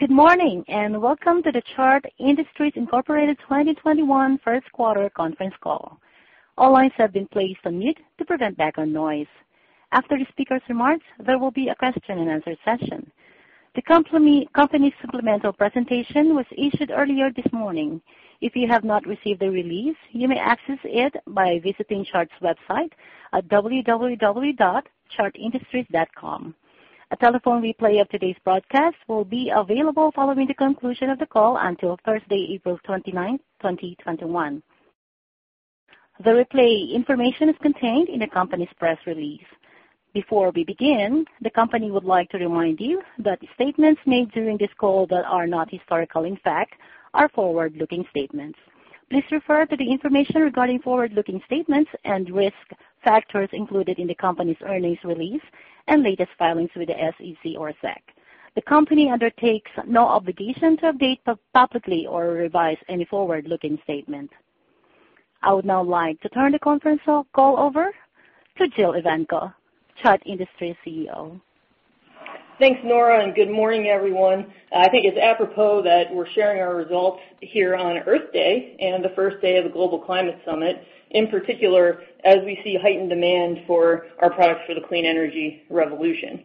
Good morning and welcome to the Chart Industries Incorporated 2021 first quarter conference call. All lines have been placed on mute to prevent background noise. After the speaker's remarks, there will be a question-and-answer session. The company's supplemental presentation was issued earlier this morning. If you have not received the release, you may access it by visiting Chart's website at www.chartindustries.com. A telephone replay of today's broadcast will be available following the conclusion of the call until Thursday, April 29, 2021. The replay information is contained in the company's press release. Before we begin, the company would like to remind you that statements made during this call that are not historical, in fact, are forward-looking statements. Please refer to the information regarding forward-looking statements and risk factors included in the company's earnings release and latest filings with the SEC. The company undertakes no obligation to update publicly or revise any forward-looking statement. I would now like to turn the conference call over to Jill Evanko, Chart Industries CEO. Thanks, Nora, and good morning, everyone. I think it's apropos that we're sharing our results here on Earth Day and the first day of the Global Climate Summit, in particular as we see heightened demand for our products for the clean energy revolution.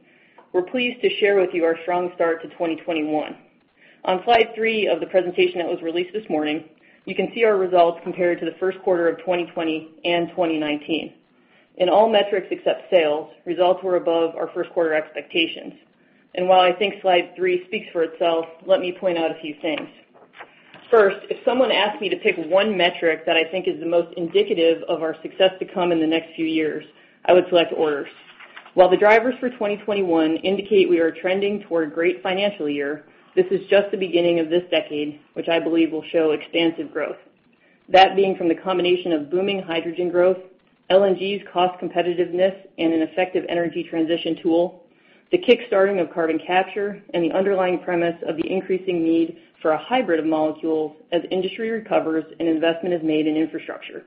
We're pleased to share with you our strong start to 2021. On slide three of the presentation that was released this morning, you can see our results compared to the first quarter of 2020 and 2019. In all metrics except sales, results were above our first quarter expectations. And while I think slide three speaks for itself, let me point out a few things. First, if someone asked me to pick one metric that I think is the most indicative of our success to come in the next few years, I would select orders. While the drivers for 2021 indicate we are trending toward a great financial year, this is just the beginning of this decade, which I believe will show expansive growth. That being from the combination of booming hydrogen growth, LNG's cost competitiveness, and an effective energy transition tool, the kickstarting of carbon capture, and the underlying premise of the increasing need for a hybrid of molecules as industry recovers and investment is made in infrastructure.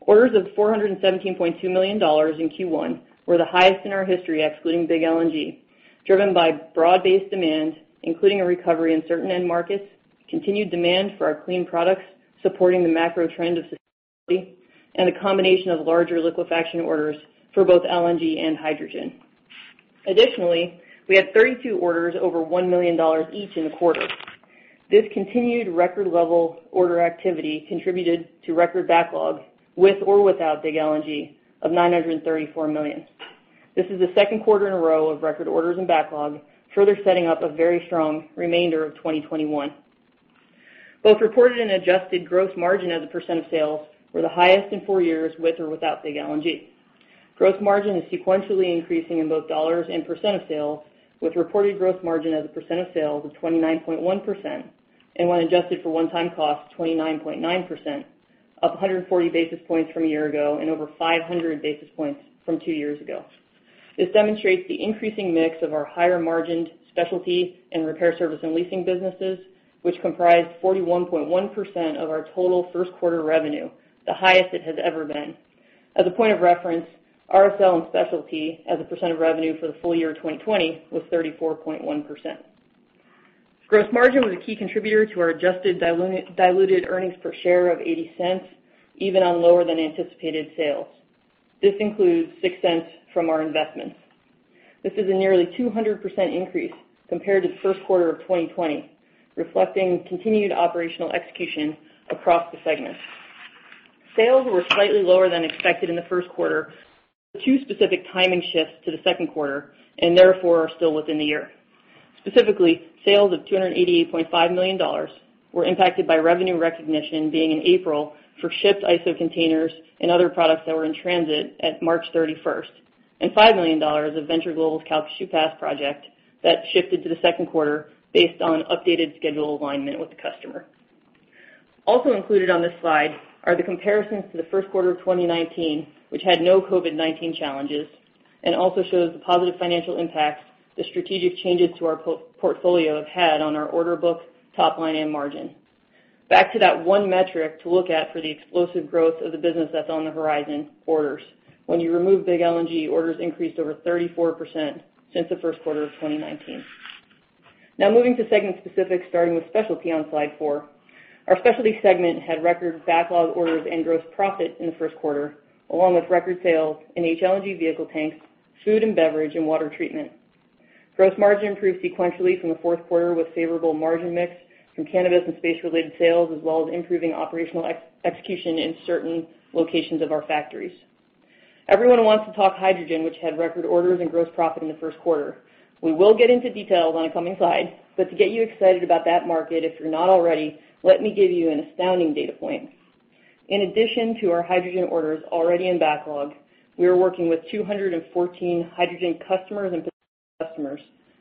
Orders of $417.2 million in Q1 were the highest in our history, excluding big LNG, driven by broad-based demand, including a recovery in certain end markets, continued demand for our clean products supporting the macro trend of stability, and the combination of larger liquefaction orders for both LNG and hydrogen. Additionally, we had 32 orders over $1 million each in the quarter. This continued record-level order activity contributed to record backlog with or without big LNG of $934 million. This is the second quarter in a row of record orders and backlog, further setting up a very strong remainder of 2021. Both reported and adjusted gross margin as a percent of sales were the highest in four years with or without big LNG. Gross margin is sequentially increasing in both dollars and percent of sales, with reported gross margin as a percent of sales of 29.1% and when adjusted for one-time costs, 29.9%, up 140 basis points from a year ago and over 500 basis points from two years ago. This demonstrates the increasing mix of our higher-margined specialty and repair service and leasing businesses, which comprised 41.1% of our total first quarter revenue, the highest it has ever been. As a point of reference, RSL and specialty as a percent of revenue for the full year 2020 was 34.1%. Gross margin was a key contributor to our adjusted diluted earnings per share of $0.80, even on lower-than-anticipated sales. This includes $0.06 from our investments. This is a nearly 200% increase compared to the first quarter of 2020, reflecting continued operational execution across the segment. Sales were slightly lower than expected in the first quarter, but two specific timing shifts to the second quarter and therefore are still within the year. Specifically, sales of $288.5 million were impacted by revenue recognition being in April for shipped ISO containers and other products that were in transit at March 31, and $5 million of Venture Global's Calcasieu Pass project that shifted to the second quarter based on updated schedule alignment with the customer. Also included on this slide are the comparisons to the first quarter of 2019, which had no COVID-19 challenges and also shows the positive financial impact the strategic changes to our portfolio have had on our order book, top line, and margin. Back to that one metric to look at for the explosive growth of the business that's on the horizon, orders. When you remove big LNG, orders increased over 34% since the first quarter of 2019. Now moving to segment-specific, starting with specialty on slide four. Our specialty segment had record backlog orders and gross profit in the first quarter, along with record sales in HLNG vehicle tanks, food and beverage, and water treatment. Gross margin improved sequentially from the fourth quarter with favorable margin mix from cannabis and space-related sales, as well as improving operational execution in certain locations of our factories. Everyone wants to talk hydrogen, which had record orders and gross profit in the first quarter. We will get into details on a coming slide, but to get you excited about that market, if you're not already, let me give you an astounding data point. In addition to our hydrogen orders already in backlog, we are working with 214 hydrogen customers and potential customers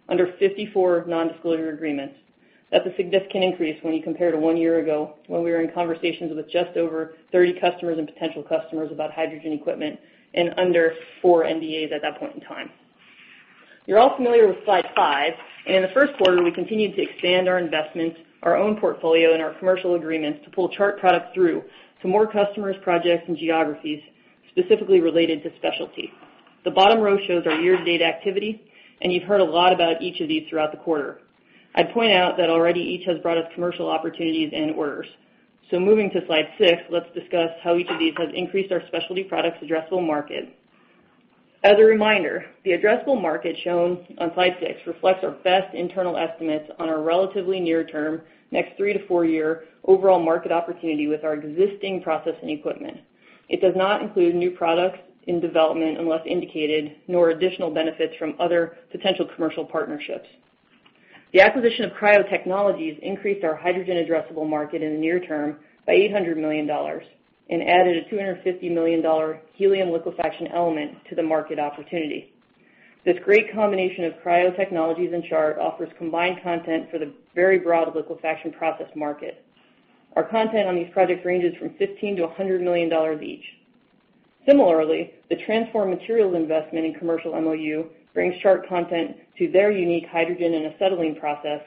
under 54 non-disclosure agreements. That's a significant increase when you compare to one year ago when we were in conversations with just over 30 customers and potential customers about hydrogen equipment and under four NDAs at that point in time. You're all familiar with slide five, and in the first quarter, we continued to expand our investments, our own portfolio, and our commercial agreements to pull Chart products through to more customers, projects, and geographies specifically related to specialty. The bottom row shows our year-to-date activity, and you've heard a lot about each of these throughout the quarter. I'd point out that already each has brought us commercial opportunities and orders. So moving to slide six, let's discuss how each of these has increased our specialty products' addressable market. As a reminder, the addressable market shown on slide six reflects our best internal estimates on our relatively near-term, next three- to four-year overall market opportunity with our existing processing equipment. It does not include new products in development unless indicated, nor additional benefits from other potential commercial partnerships. The acquisition of Cryo Technologies increased our hydrogen addressable market in the near term by $800 million and added a $250 million helium liquefaction element to the market opportunity. This great combination of Cryo Technologies and Chart offers combined content for the very broad liquefaction process market. Our content on these projects ranges from $15-$100 million each. Similarly, the Transform Materials investment in commercial MOU brings Chart content to their unique hydrogen and acetylene process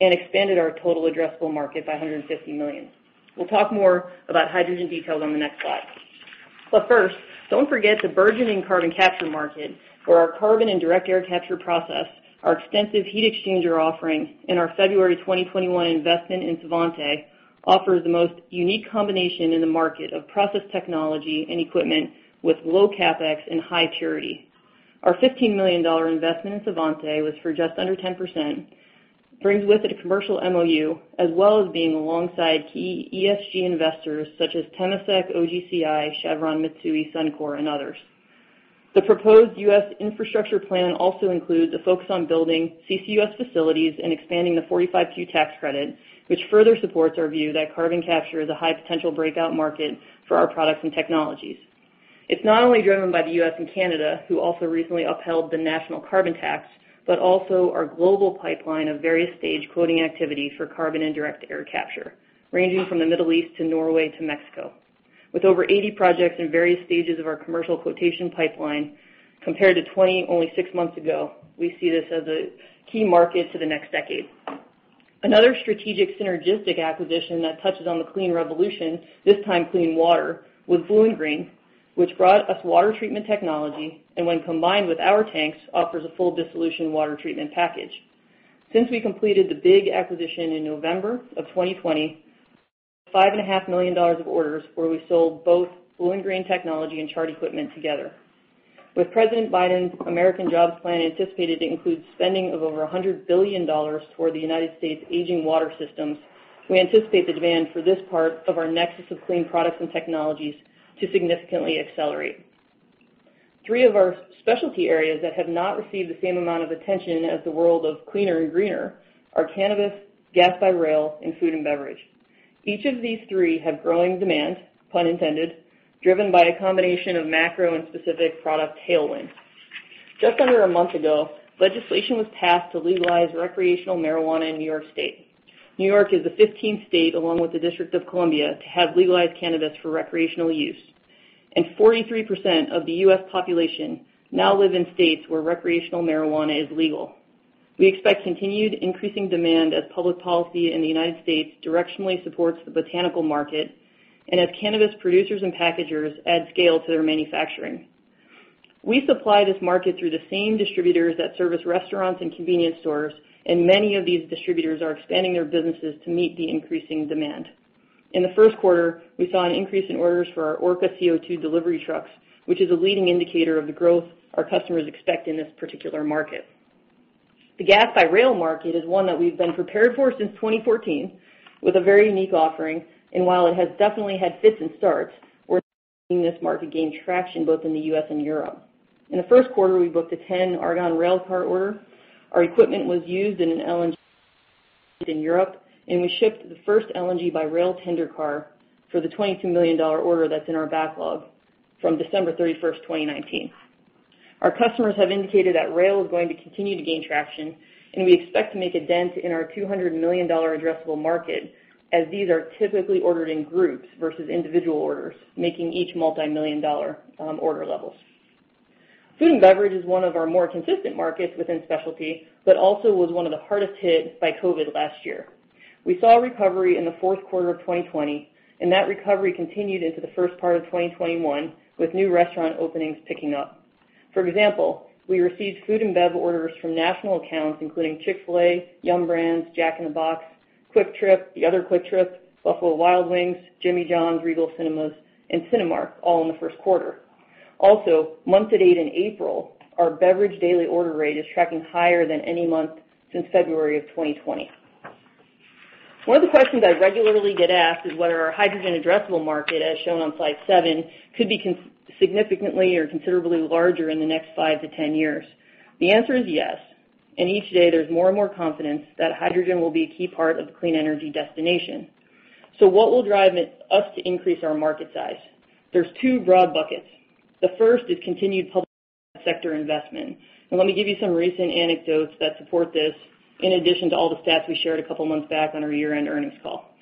and expanded our total addressable market by $150 million. We'll talk more about hydrogen details on the next slide. But first, don't forget the burgeoning carbon capture market for our carbon and direct air capture process, our extensive heat exchanger offering, and our February 2021 investment in Svante offers the most unique combination in the market of process technology and equipment with low CapEx and high purity. Our $15 million investment in Svante was for just under 10%, brings with it a commercial MOU as well as being alongside key ESG investors such as Temasek, OGCI, Chevron, Mitsui, Suncor, and others. The proposed U.S. Infrastructure plan also includes a focus on building CCUS facilities and expanding the 45Q tax credit, which further supports our view that carbon capture is a high-potential breakout market for our products and technologies. It's not only driven by the U.S. and Canada, who also recently upheld the national carbon tax, but also our global pipeline of various-stage quoting activity for carbon and direct air capture, ranging from the Middle East to Norway to Mexico. With over 80 projects in various stages of our commercial quotation pipeline compared to 20 only six months ago, we see this as a key market to the next decade. Another strategic synergistic acquisition that touches on the clean revolution, this time clean water, was BlueInGreen, which brought us water treatment technology and when combined with our tanks offers a full-dissolution water treatment package. Since we completed the big acquisition in November of 2020, $5.5 million of orders were we sold both BlueInGreen technology and Chart equipment together. With President Biden's American jobs plan anticipated to include spending of over $100 billion toward the United States' aging water systems, we anticipate the demand for this part of our nexus of clean products and technologies to significantly accelerate. Three of our specialty areas that have not received the same amount of attention as the world of cleaner and greener are cannabis, gas by rail, and food and beverage. Each of these three have growing demand, pun intended, driven by a combination of macro and specific product tailwinds. Just under a month ago, legislation was passed to legalize recreational marijuana in New York State. New York is the 15th state, along with the District of Columbia, to have legalized cannabis for recreational use. 43% of the U.S. population now live in states where recreational marijuana is legal. We expect continued increasing demand as public policy in the United States directionally supports the botanical market and as cannabis producers and packagers add scale to their manufacturing. We supply this market through the same distributors that service restaurants and convenience stores, and many of these distributors are expanding their businesses to meet the increasing demand. In the first quarter, we saw an increase in orders for our Orca CO2 delivery trucks, which is a leading indicator of the growth our customers expect in this particular market. The gas by rail market is one that we've been prepared for since 2014 with a very unique offering, and while it has definitely had fits and starts, we're seeing this market gain traction both in the U.S. and Europe. In the first quarter, we booked a 10 argon rail car order. Our equipment was used in an LNG in Europe, and we shipped the first LNG by rail tender car for the $22 million order that's in our backlog from December 31, 2019. Our customers have indicated that rail is going to continue to gain traction, and we expect to make a dent in our $200 million addressable market as these are typically ordered in groups versus individual orders, making each multi-million dollar order levels. Food and beverage is one of our more consistent markets within specialty, but also was one of the hardest hit by COVID last year. We saw recovery in the fourth quarter of 2020, and that recovery continued into the first part of 2021 with new restaurant openings picking up. For example, we received food and bev orders from national accounts including Chick-fil-A, Yum Brands, Jack in the Box, QuikTrip, the other QuikTrip, Buffalo Wild Wings, Jimmy John's, Regal Cinemas, and Cinemark, all in the first quarter. Also, month to date in April, our beverage daily order rate is tracking higher than any month since February of 2020. One of the questions I regularly get asked is whether our hydrogen addressable market, as shown on slide seven, could be significantly or considerably larger in the next 5 to 10 years. The answer is yes, and each day there's more and more confidence that hydrogen will be a key part of the clean energy destination. So what will drive us to increase our market size? There's two broad buckets. The first is continued public sector investment. Let me give you some recent anecdotes that support this in addition to all the stats we shared a couple of months back on our year-end earnings call.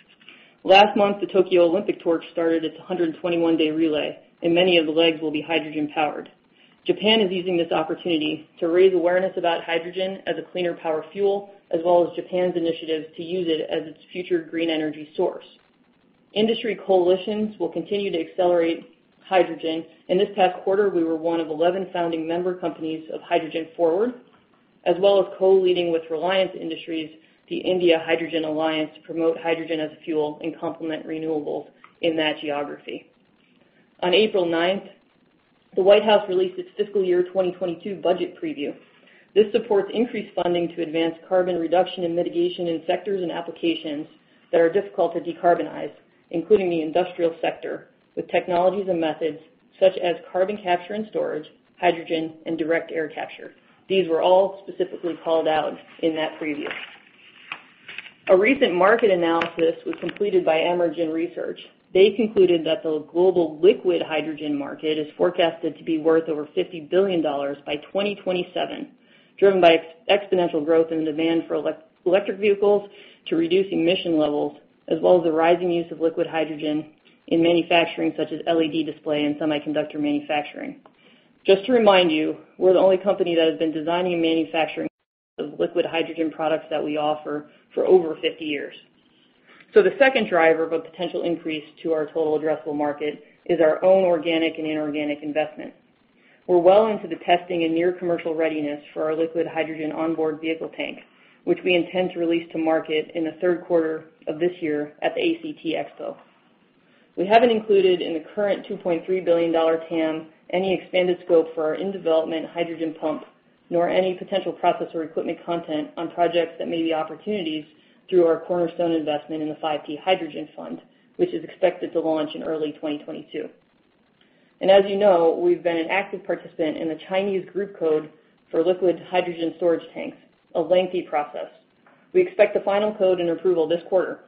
Last month, the Tokyo Olympics torch started its 121-day relay, and many of the legs will be hydrogen-powered. Japan is using this opportunity to raise awareness about hydrogen as a cleaner power fuel, as well as Japan's initiative to use it as its future green energy source. Industry coalitions will continue to accelerate hydrogen. In this past quarter, we were one of 11 founding member companies of Hydrogen Forward, as well as co-leading with Reliance Industries, the India Hydrogen Alliance to promote hydrogen as a fuel and complement renewables in that geography. On April 9, the White House released its fiscal year 2022 budget preview. This supports increased funding to advance carbon reduction and mitigation in sectors and applications that are difficult to decarbonize, including the industrial sector, with technologies and methods such as carbon capture and storage, hydrogen, and direct air capture. These were all specifically called out in that preview. A recent market analysis was completed by Emergen Research. They concluded that the global liquid hydrogen market is forecasted to be worth over $50 billion by 2027, driven by exponential growth in the demand for electric vehicles to reduce emission levels, as well as the rising use of liquid hydrogen in manufacturing such as LED display and semiconductor manufacturing. Just to remind you, we're the only company that has been designing and manufacturing liquid hydrogen products that we offer for over 50 years. So the second driver of a potential increase to our total addressable market is our own organic and inorganic investment. We're well into the testing and near-commercial readiness for our liquid hydrogen onboard vehicle tank, which we intend to release to market in the third quarter of this year at the ACT Expo. We haven't included in the current $2.3 billion TAM any expanded scope for our in-development hydrogen pump, nor any potential processor equipment content on projects that may be opportunities through our cornerstone investment in the FiveT Hydrogen Fund, which is expected to launch in early 2022, as you know, we've been an active participant in the Chinese group code for liquid hydrogen storage tanks, a lengthy process. We expect the final code and approval this quarter.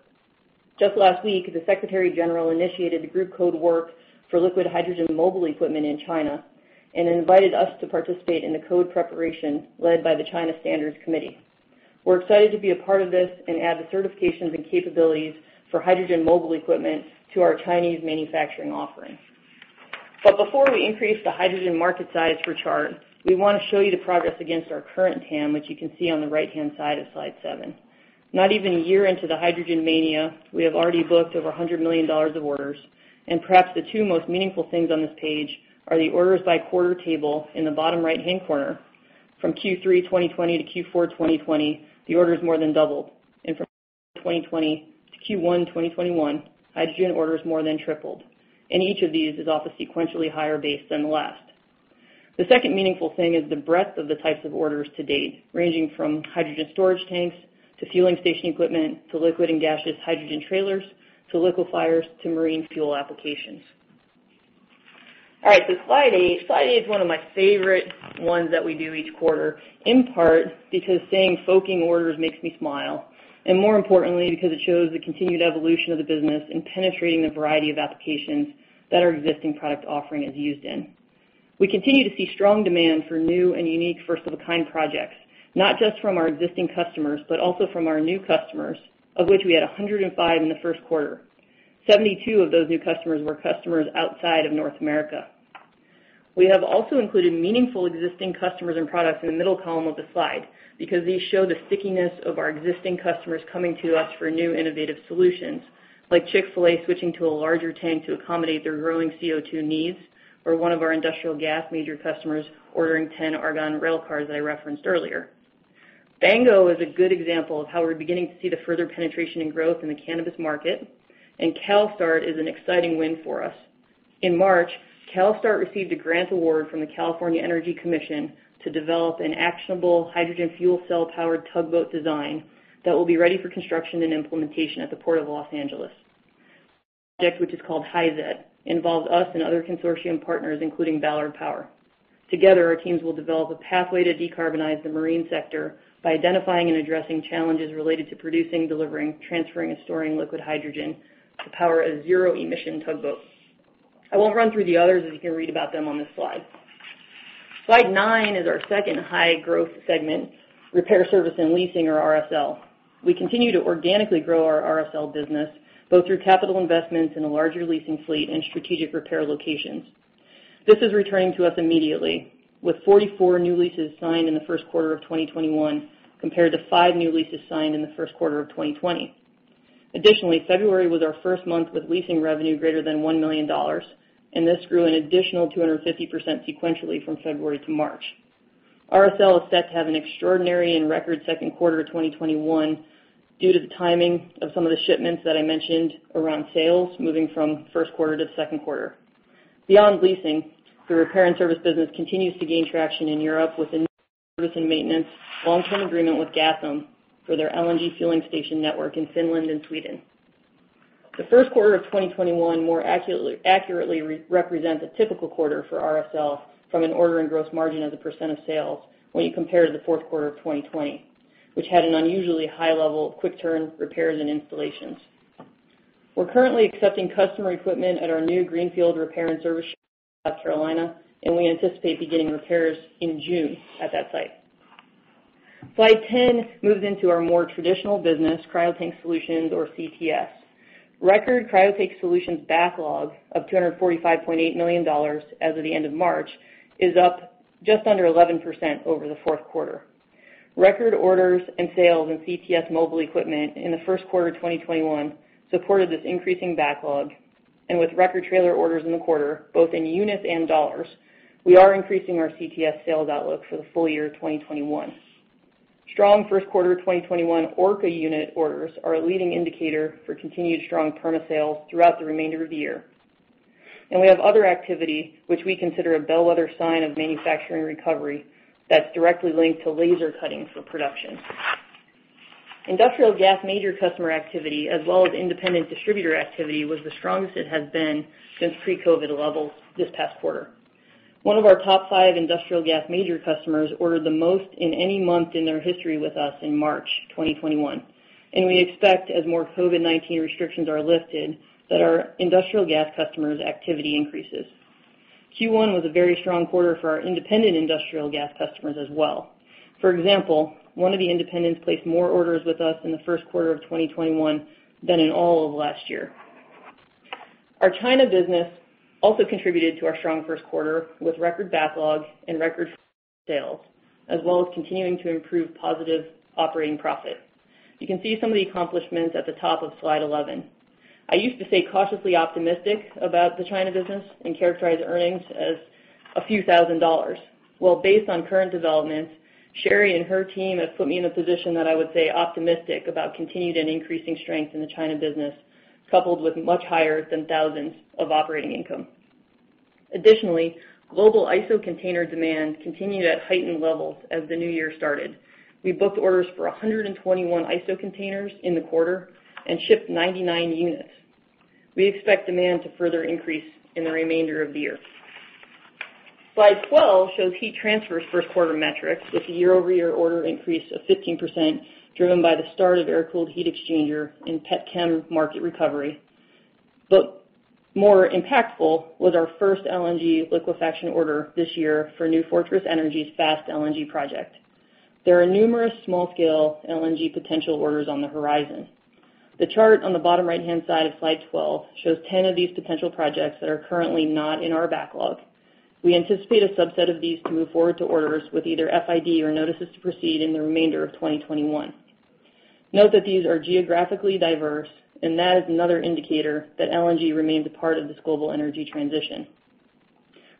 Just last week, the Secretary General initiated the group code work for liquid hydrogen mobile equipment in China and invited us to participate in the code preparation led by the China Standards Committee. We're excited to be a part of this and add the certifications and capabilities for hydrogen mobile equipment to our Chinese manufacturing offering. But before we increase the hydrogen market size for Chart, we want to show you the progress against our current TAM, which you can see on the right-hand side of slide seven. Not even a year into the hydrogen mania, we have already booked over $100 million of orders, and perhaps the two most meaningful things on this page are the orders by quarter table in the bottom right-hand corner. From Q3 2020 to Q4 2020, the orders more than doubled, and from Q4 2020 to Q1 2021, hydrogen orders more than tripled. And each of these is off a sequentially higher base than the last. The second meaningful thing is the breadth of the types of orders to date, ranging from hydrogen storage tanks to fueling station equipment to liquid and gaseous hydrogen trailers to liquefiers to marine fuel applications. All right, so slide eight. Slide eight is one of my favorite ones that we do each quarter, in part because seeing booking orders makes me smile, and more importantly, because it shows the continued evolution of the business and penetrating the variety of applications that our existing product offering is used in. We continue to see strong demand for new and unique first-of-a-kind projects, not just from our existing customers, but also from our new customers, of which we had 105 in the first quarter. 72 of those new customers were customers outside of North America. We have also included meaningful existing customers and products in the middle column of the slide because these show the stickiness of our existing customers coming to us for new innovative solutions, like Chick-fil-A switching to a larger tank to accommodate their growing CO2 needs, or one of our industrial gas major customers ordering 10 Argon rail cars that I referenced earlier. Bango is a good example of how we're beginning to see the further penetration and growth in the cannabis market, and CalSTART is an exciting win for us. In March, CalSTART received a grant award from the California Energy Commission to develop an actionable hydrogen fuel cell-powered tugboat design that will be ready for construction and implementation at the Port of Los Angeles. The project, which is called HyZET, involves us and other consortium partners, including Ballard Power. Together, our teams will develop a pathway to decarbonize the marine sector by identifying and addressing challenges related to producing, delivering, transferring, and storing liquid hydrogen to power a zero-emission tugboat. I won't run through the others as you can read about them on this slide. Slide nine is our second high-growth segment, repair service and leasing, or RSL. We continue to organically grow our RSL business both through capital investments in a larger leasing fleet and strategic repair locations. This is returning to us immediately, with 44 new leases signed in the first quarter of 2021 compared to five new leases signed in the first quarter of 2020. Additionally, February was our first month with leasing revenue greater than $1 million, and this grew an additional 250% sequentially from February to March. RSL is set to have an extraordinary and record second quarter of 2021 due to the timing of some of the shipments that I mentioned around sales moving from first quarter to second quarter. Beyond leasing, the repair and service business continues to gain traction in Europe with a new service and maintenance long-term agreement with Gasum for their LNG fueling station network in Finland and Sweden. The first quarter of 2021 more accurately represents a typical quarter for RSL from an order and gross margin as a % of sales when you compare to the fourth quarter of 2020, which had an unusually high level of quick turn repairs and installations. We're currently accepting customer equipment at our new Greenfield Repair and Service Shop in South Carolina, and we anticipate beginning repairs in June at that site. Slide 10 moves into our more traditional business, CryoTank Solutions, or CTS. Record CryoTank Solutions backlog of $245.8 million as of the end of March is up just under 11% over the fourth quarter. Record orders and sales in CTS mobile equipment in the first quarter of 2021 supported this increasing backlog, and with record trailer orders in the quarter, both in units and dollars, we are increasing our CTS sales outlook for the full year 2021. Strong first quarter 2021 Orca unit orders are a leading indicator for continued strong plasma sales throughout the remainder of the year. And we have other activity, which we consider a bellwether sign of manufacturing recovery that's directly linked to laser cutting for production. Industrial gas major customer activity, as well as independent distributor activity, was the strongest it has been since pre-COVID levels this past quarter. One of our top five industrial gas major customers ordered the most in any month in their history with us in March 2021, and we expect, as more COVID-19 restrictions are lifted, that our industrial gas customers' activity increases. Q1 was a very strong quarter for our independent industrial gas customers as well. For example, one of the independents placed more orders with us in the first quarter of 2021 than in all of last year. Our China business also contributed to our strong first quarter with record backlog and record sales, as well as continuing to improve positive operating profit. You can see some of the accomplishments at the top of slide 11. I used to say cautiously optimistic about the China business and characterize earnings as a few thousand dollars. Based on current developments, Sherry and her team have put me in a position that I would say optimistic about continued and increasing strength in the China business, coupled with much higher than expected operating income. Additionally, global ISO container demand continued at heightened levels as the new year started. We booked orders for 121 ISO containers in the quarter and shipped 99 units. We expect demand to further increase in the remainder of the year. Slide 12 shows heat transfer's first quarter metrics with the year-over-year order inc rease of 15% driven by the start of air-cooled heat exchanger and PETCHEM market recovery, but more impactful was our first LNG liquefaction order this year for New Fortress Energy's Fast LNG project. There are numerous small-scale LNG potential orders on the horizon. The chart on the bottom right-hand side of slide 12 shows 10 of these potential projects that are currently not in our backlog. We anticipate a subset of these to move forward to orders with either FID or notices to proceed in the remainder of 2021. Note that these are geographically diverse, and that is another indicator that LNG remains a part of this global energy transition.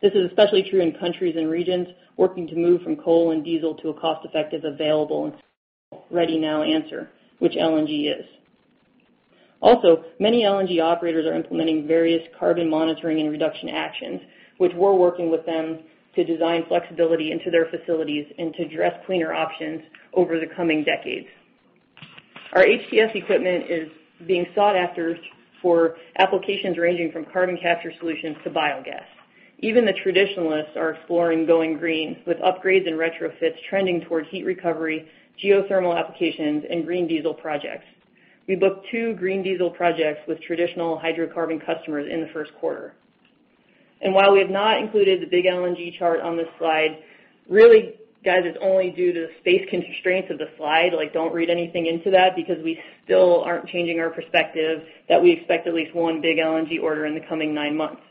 This is especially true in countries and regions working to move from coal and diesel to a cost-effective, available, and ready-now answer, which LNG is. Also, many LNG operators are implementing various carbon monitoring and reduction actions, which we're working with them to design flexibility into their facilities and to address cleaner options over the coming decades. Our HTS equipment is being sought after for applications ranging from carbon capture solutions to biogas. Even the traditionalists are exploring going green with upgrades and retrofits trending toward heat recovery, geothermal applications, and green diesel projects. We booked two green diesel projects with traditional hydrocarbon customers in the first quarter. And while we have not included the big LNG chart on this slide, really, guys, it's only due to the space constraints of the slide. Don't read anything into that because we still aren't changing our perspective that we expect at least one big LNG order in the coming nine months.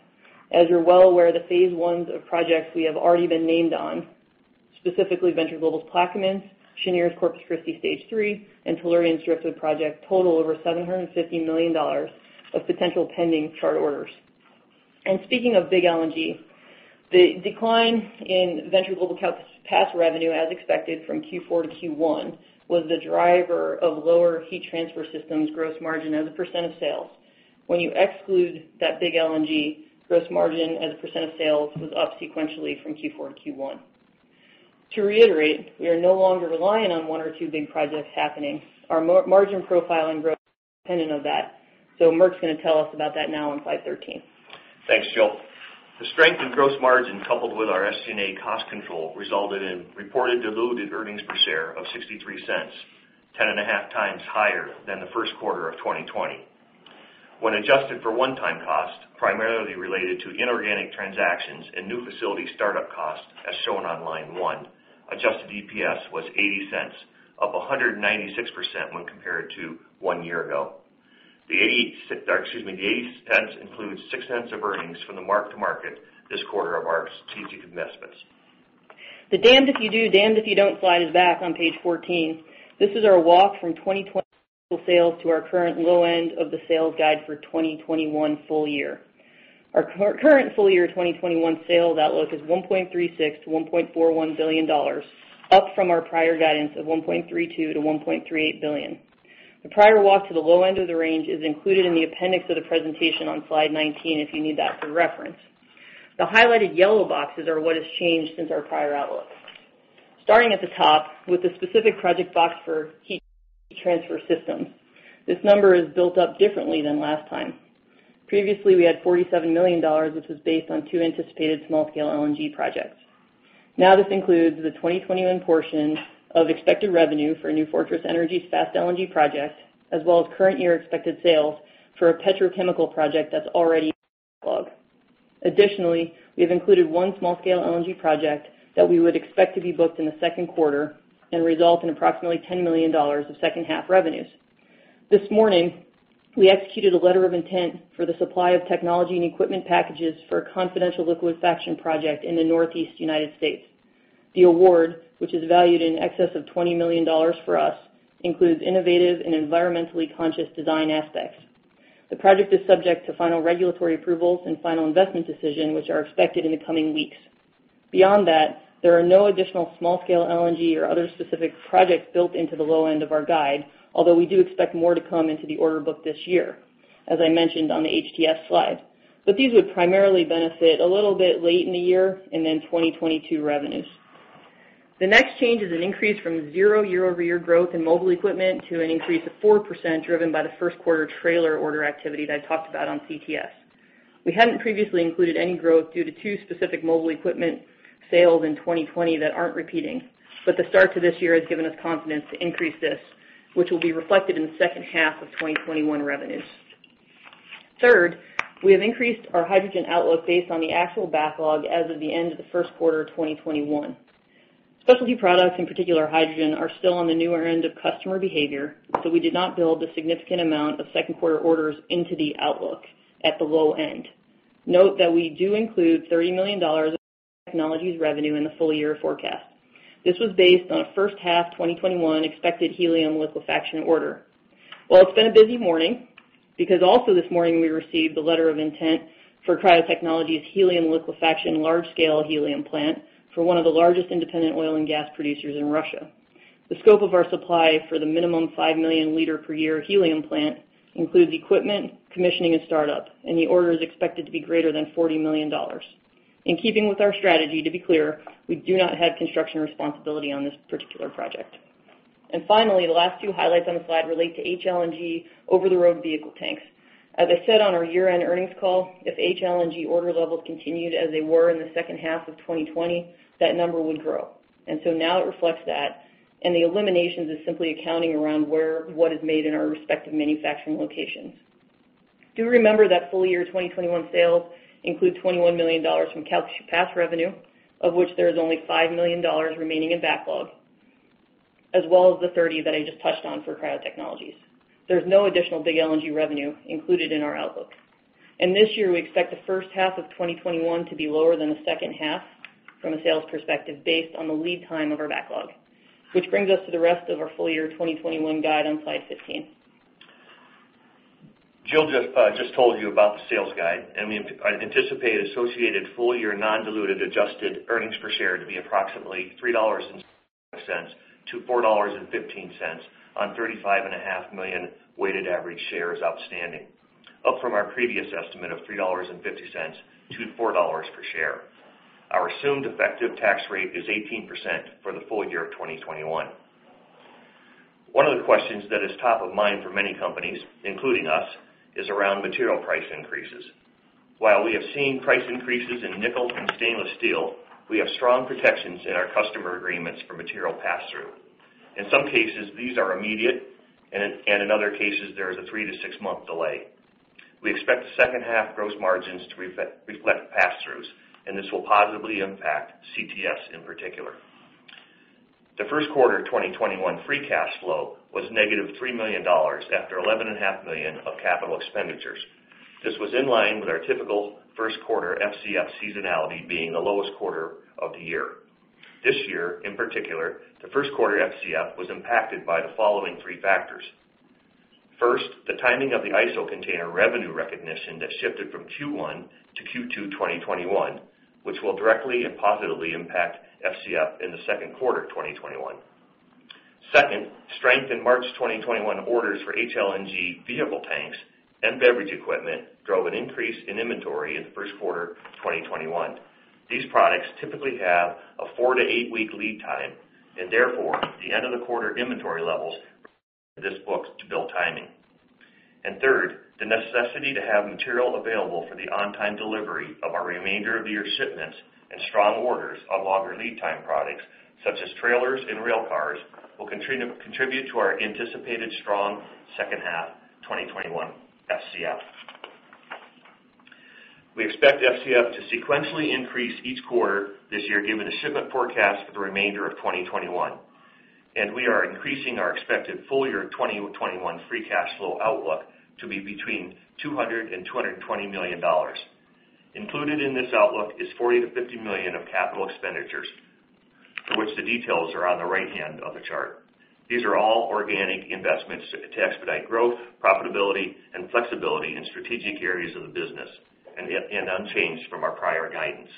As you're well aware, the phase ones of projects we have already been named on, specifically Venture Global's Plaquemines, Cheniere's Corpus Christi stage three, and Tellurian's Driftwood project, total over $750 million of potential pending Chart orders. And speaking of big LNG, the decline in Venture Global's past revenue, as expected, from Q4 to Q1 was the driver of lower heat transfer systems gross margin as a % of sales. When you exclude that big LNG, gross margin as a % of sales was up sequentially from Q4 to Q1. To reiterate, we are no longer relying on one or two big projects happening. Our margin profiling growth is independent of that. So Merkle's going to tell us about that now on slide 13. Thanks, Jill. The strength in gross margin coupled with our SG&A cost control resulted in reported diluted earnings per share of $0.63, 10 and a half times higher than the first quarter of 2020. When adjusted for one-time cost, primarily related to inorganic transactions and new facility startup cost, as shown on line one, adjusted EPS was $0.80, up 196% when compared to one year ago. The $0.80 includes $0.06 of earnings from the mark-to-market this quarter of our strategic investments. The damned if you do, damned if you don't slide is back on page 14. This is our walk from 2020 sales to our current low end of the sales guide for 2021 full year. Our current full year 2021 sales outlook is $1.36-$1.41 billion, up from our prior guidance of $1.32-$1.38 billion. The prior walk to the low end of the range is included in the appendix of the presentation on slide 19 if you need that for reference. The highlighted yellow boxes are what has changed since our prior outlook. Starting at the top with the specific project box for heat transfer systems, this number is built up differently than last time. Previously, we had $47 million, which was based on two anticipated small-scale LNG projects. Now this includes the 2021 portion of expected revenue for New Fortress Energy's Fast LNG project, as well as current year expected sales for a petrochemical project that's already in backlog. Additionally, we have included one small-scale LNG project that we would expect to be booked in the second quarter and result in approximately $10 million of second-half revenues. This morning, we executed a letter of intent for the supply of technology and equipment packages for a confidential liquefaction project in the Northeast United States. The award, which is valued in excess of $20 million for us, includes innovative and environmentally conscious design aspects. The project is subject to final regulatory approvals and final investment decision, which are expected in the coming weeks. Beyond that, there are no additional small-scale LNG or other specific projects built into the low end of our guide, although we do expect more to come into the order book this year, as I mentioned on the HTS slide. But these would primarily benefit a little bit late in the year and then 2022 revenues. The next change is an increase from zero year-over-year growth in mobile equipment to an increase of 4% driven by the first quarter trailer order activity that I talked about on CTS. We hadn't previously included any growth due to two specific mobile equipment sales in 2020 that aren't repeating, but the start to this year has given us confidence to increase this, which will be reflected in the second half of 2021 revenues. Third, we have increased our hydrogen outlook based on the actual backlog as of the end of the first quarter of 2021. Specialty products, in particular hydrogen, are still on the newer end of customer behavior, so we did not build a significant amount of second quarter orders into the outlook at the low end. Note that we do include $30 million of technology's revenue in the full year forecast. This was based on a first half 2021 expected helium liquefaction order. It's been a busy morning because also this morning we received the letter of intent for Cryo Technologies' helium liquefaction large-scale helium plant for one of the largest independent oil and gas producers in Russia. The scope of our supply for the minimum 5 million liters per year helium plant includes equipment, commissioning, and startup, and the order is expected to be greater than $40 million. In keeping with our strategy, to be clear, we do not have construction responsibility on this particular project, and finally, the last two highlights on the slide relate to HLNG over-the-road vehicle tanks. As I said on our year-end earnings call, if HLNG order levels continued as they were in the second half of 2020, that number would grow, and so now it reflects that, and the eliminations are simply accounting around where what is made in our respective manufacturing locations. Do remember that full year 2021 sales include $21 million from CalCUPAS revenue, of which there is only $5 million remaining in backlog, as well as the 30 that I just touched on for Cryo Technologies. There's no additional big LNG revenue included in our outlook. This year, we expect the first half of 2021 to be lower than the second half from a sales perspective based on the lead time of our backlog, which brings us to the rest of our full year 2021 guide on slide 15. Jill just told you about the sales guide, and we anticipate associated full year non-diluted adjusted earnings per share to be approximately $3.05-$4.15 on 35.5 million weighted average shares outstanding, up from our previous estimate of $3.50-$4 per share. Our assumed effective tax rate is 18% for the full year of 2021. One of the questions that is top of mind for many companies, including us, is around material price increases. While we have seen price increases in nickel and stainless steel, we have strong protections in our customer agreements for material pass-through. In some cases, these are immediate, and in other cases, there is a three to six-month delay. We expect the second half gross margins to reflect pass-throughs, and this will positively impact CTS in particular. The first quarter 2021 free cash flow was negative $3 million after $11.5 million of capital expenditures. This was in line with our typical first quarter FCF seasonality being the lowest quarter of the year. This year, in particular, the first quarter FCF was impacted by the following three factors. First, the timing of the ISO container revenue recognition that shifted from Q1 to Q2 2021, which will directly and positively impact FCF in the second quarter 2021. Second, strength in March 2021 orders for HLNG vehicle tanks and beverage equipment drove an increase in inventory in the first quarter 2021. These products typically have a four to eight-week lead time, and therefore, the end of the quarter inventory levels are expected to be booked to build timing, and third, the necessity to have material available for the on-time delivery of our remainder of the year shipments and strong orders on longer lead time products, such as trailers and rail cars, will contribute to our anticipated strong second half 2021 FCF. We expect FCF to sequentially increase each quarter this year given the shipment forecast for the remainder of 2021, and we are increasing our expected full year 2021 free cash flow outlook to be between $200 and $220 million. Included in this outlook is $40-$50 million of capital expenditures, for which the details are on the right hand of the chart. These are all organic investments to expedite growth, profitability, and flexibility in strategic areas of the business and unchanged from our prior guidance.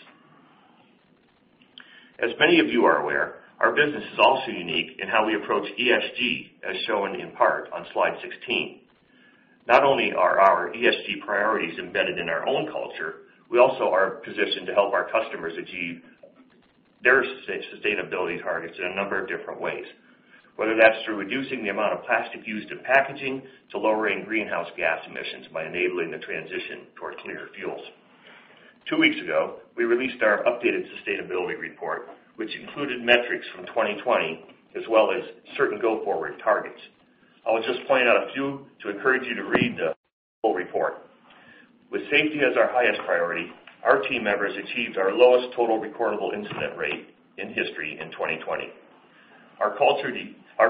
As many of you are aware, our business is also unique in how we approach ESG, as shown in part on slide 16. Not only are our ESG priorities embedded in our own culture, we also are positioned to help our customers achieve their sustainability targets in a number of different ways, whether that's through reducing the amount of plastic used in packaging to lowering greenhouse gas emissions by enabling the transition toward clean fuels. Two weeks ago, we released our updated sustainability report, which included metrics from 2020 as well as certain go-forward targets. I'll just point out a few to encourage you to read the full report. With safety as our highest priority, our team members achieved our lowest total recordable incident rate in history in 2020. Our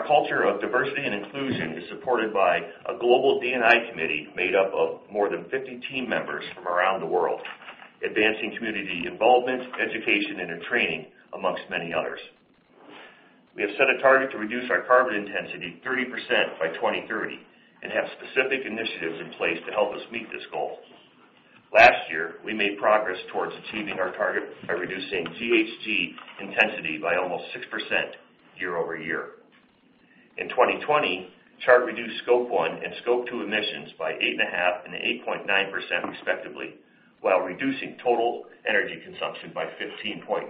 culture of diversity and inclusion is supported by a global D&I committee made up of more than 50 team members from around the world, advancing community involvement, education, and training, among many others. We have set a target to reduce our carbon intensity 30% by 2030 and have specific initiatives in place to help us meet this goal. Last year, we made progress towards achieving our target by reducing GHG intensity by almost 6% year over year. In 2020, Chart reduced scope one and scope two emissions by 8.5 and 8.9% respectively, while reducing total energy consumption by 15.9%.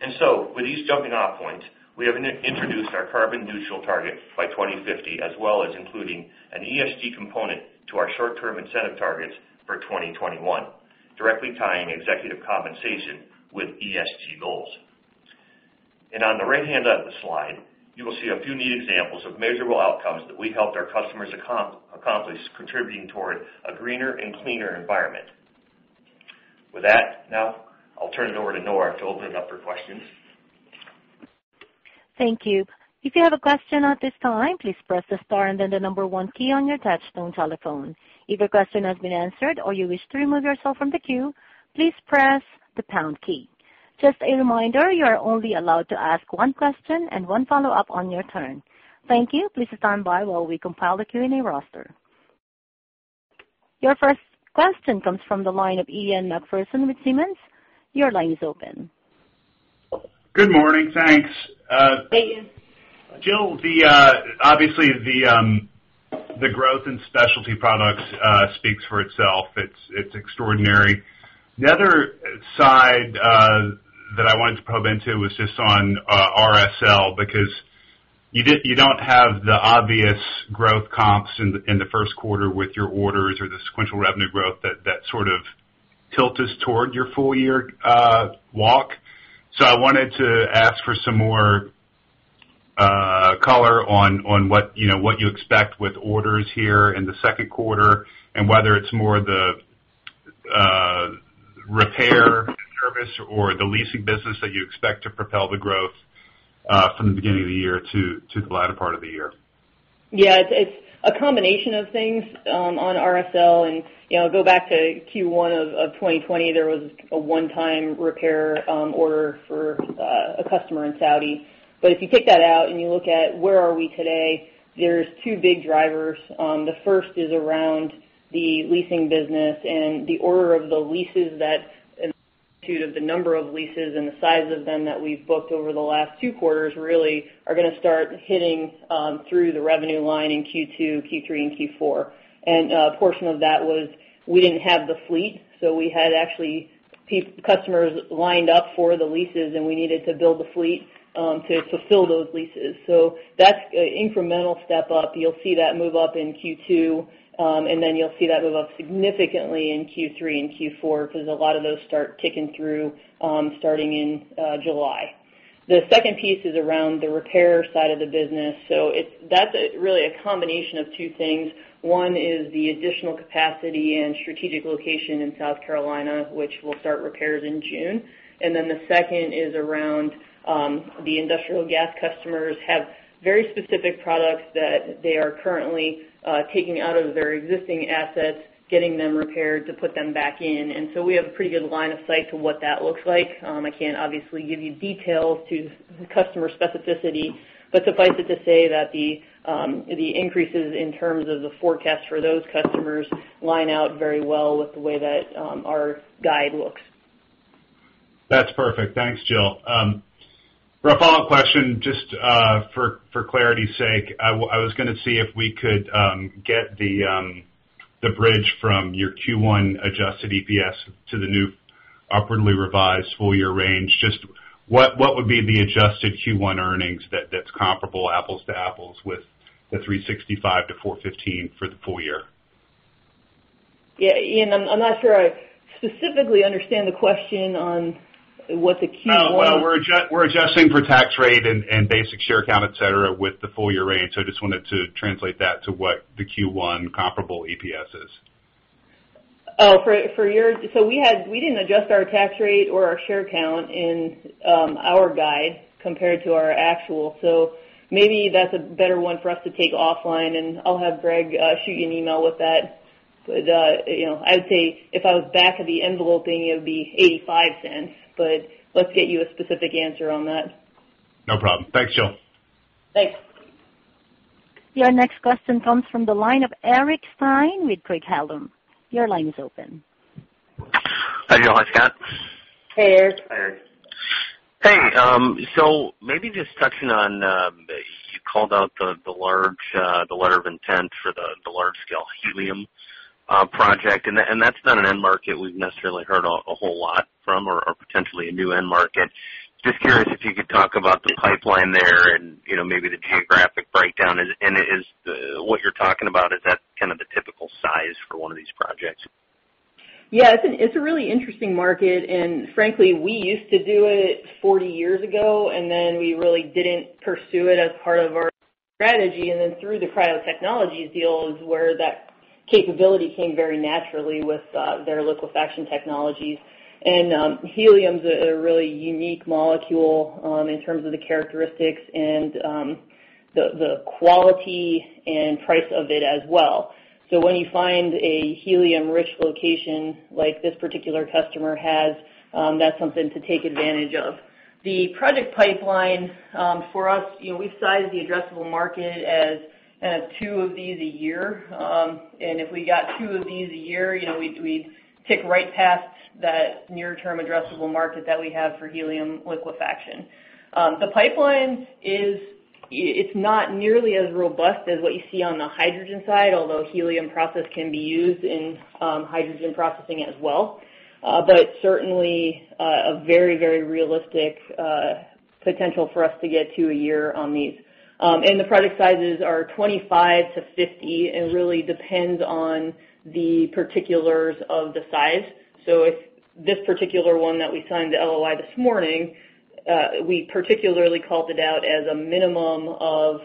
And so, with these jumping-off points, we have introduced our carbon neutral target by 2050, as well as including an ESG component to our short-term incentive targets for 2021, directly tying executive compensation with ESG goals. And on the right hand of the slide, you will see a few neat examples of measurable outcomes that we helped our customers accomplish, contributing toward a greener and cleaner environment. With that, now I'll turn it over to Noah to open it up for questions. Thank you. If you have a question at this time, please press the star and then the number one key on your touch-tone telephone. If your question has been answered or you wish to remove yourself from the queue, please press the pound key. Just a reminder, you are only allowed to ask one question and one follow-up on your turn. Thank you. Please stand by while we compile the Q&A roster. Your first question comes from the line of Ian McPherson with Simmons. Your line is open. Good morning. Thanks. Hey, Ian. Jill, obviously, the growth in specialty products speaks for itself. It's extraordinary. The other side that I wanted to probe into was just on RSL because you don't have the obvious growth comps in the first quarter with your orders or the sequential revenue growth that sort of tilt us toward your full year walk. So I wanted to ask for some more color on what you expect with orders here in the second quarter and whether it's more the repair service or the leasing business that you expect to propel the growth from the beginning of the year to the latter part of the year. Yeah, it's a combination of things on RSL. And go back to Q1 of 2020, there was a one-time repair order for a customer in Saudi. But if you take that out and you look at where are we today, there's two big drivers. The first is around the leasing business and the order of the leases that, in the number of leases and the size of them that we've booked over the last two quarters, really are going to start hitting through the revenue line in Q2, Q3, and Q4. And a portion of that was we didn't have the fleet, so we had actually customers lined up for the leases, and we needed to build the fleet to fulfill those leases. So that's an incremental step up. You'll see that move up in Q2, and then you'll see that move up significantly in Q3 and Q4 because a lot of those start ticking through starting in July. The second piece is around the repair side of the business. So that's really a combination of two things. One is the additional capacity and strategic location in South Carolina, which will start repairs in June, and then the second is around the industrial gas customers have very specific products that they are currently taking out of their existing assets, getting them repaired to put them back in, and so we have a pretty good line of sight to what that looks like. I can't obviously give you details to the customer specificity, but suffice it to say that the increases in terms of the forecast for those customers line out very well with the way that our guide looks. That's perfect. Thanks, Jill. For a follow-up question, just for clarity's sake, I was going to see if we could get the bridge from your Q1 adjusted EPS to the new upwardly revised full year range. Just what would be the adjusted Q1 earnings that's comparable apples to apples with the $3.65-$4.15 for the full year? Yeah, I'm not sure I specifically understand the question on what the Q1. Well, we're adjusting for tax rate and basic share count, etc., with the full year range. So I just wanted to translate that to what the Q1 comparable EPS is. Oh, for your so we didn't adjust our tax rate or our share count in our guide compared to our actual. So maybe that's a better one for us to take offline, and I'll have Greg shoot you an email with that. But I would say if I was back-of-the-envelope, it would be $0.85, but let's get you a specific answer on that. No problem. Thanks, Jill. Thanks. Your next question comes from the line of Eric Stine with Craig-Hallum. Your line is open. Hi, Noah. It's Scott. Hey, Eric. Hi, Eric. Hey. So maybe just touching on, you called out the large letter of intent for the large-scale helium project, and that's not an end market we've necessarily heard a whole lot from or potentially a new end market. Just curious if you could talk about the pipeline there and maybe the geographic breakdown. And what you're talking about, is that kind of the typical size for one of these projects? Yeah, it's a really interesting market. Frankly, we used to do it 40 years ago, and then we really didn't pursue it as part of our strategy. Then through the Cryo Technologies deal is where that capability came very naturally with their liquefaction technologies. Helium's a really unique molecule in terms of the characteristics and the quality and price of it as well. When you find a helium-rich location like this particular customer has, that's something to take advantage of. The project pipeline for us, we've sized the addressable market as kind of two of these a year. If we got two of these a year, we'd tick right past that near-term addressable market that we have for helium liquefaction. The pipeline, it's not nearly as robust as what you see on the hydrogen side, although helium process can be used in hydrogen processing as well. But certainly a very, very realistic potential for us to get to a year on these. And the project sizes are 25-50 and really depends on the particulars of the size. So this particular one that we signed the LOI this morning, we particularly called it out as a minimum of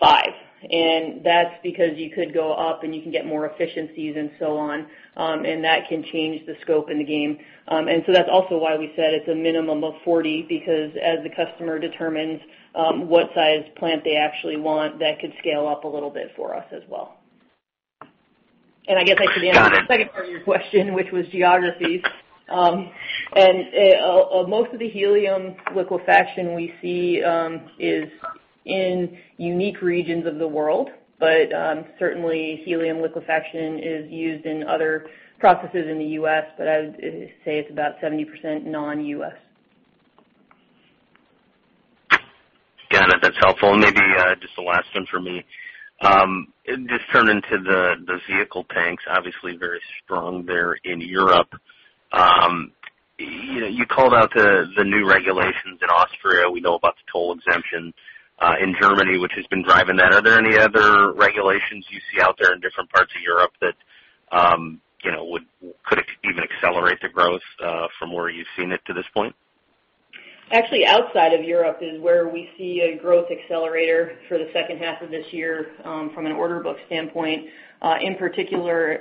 five. And that's because you could go up and you can get more efficiencies and so on, and that can change the scope and the game. And so that's also why we said it's a minimum of 40 because as the customer determines what size plant they actually want, that could scale up a little bit for us as well. And I guess I should answer the second part of your question, which was geographies. And most of the helium liquefaction we see is in unique regions of the world, but certainly helium liquefaction is used in other processes in the U.S., but I would say it's about 70% non-U.S. Got it. That's helpful. And maybe just the last one for me. Just turned into the vehicle tanks, obviously very strong there in Europe. You called out the new regulations in Austria. We know about the toll exemption in Germany, which has been driving that. Are there any other regulations you see out there in different parts of Europe that could even accelerate the growth from where you've seen it to this point? Actually, outside of Europe is where we see a growth accelerator for the second half of this year from an order book standpoint. In particular,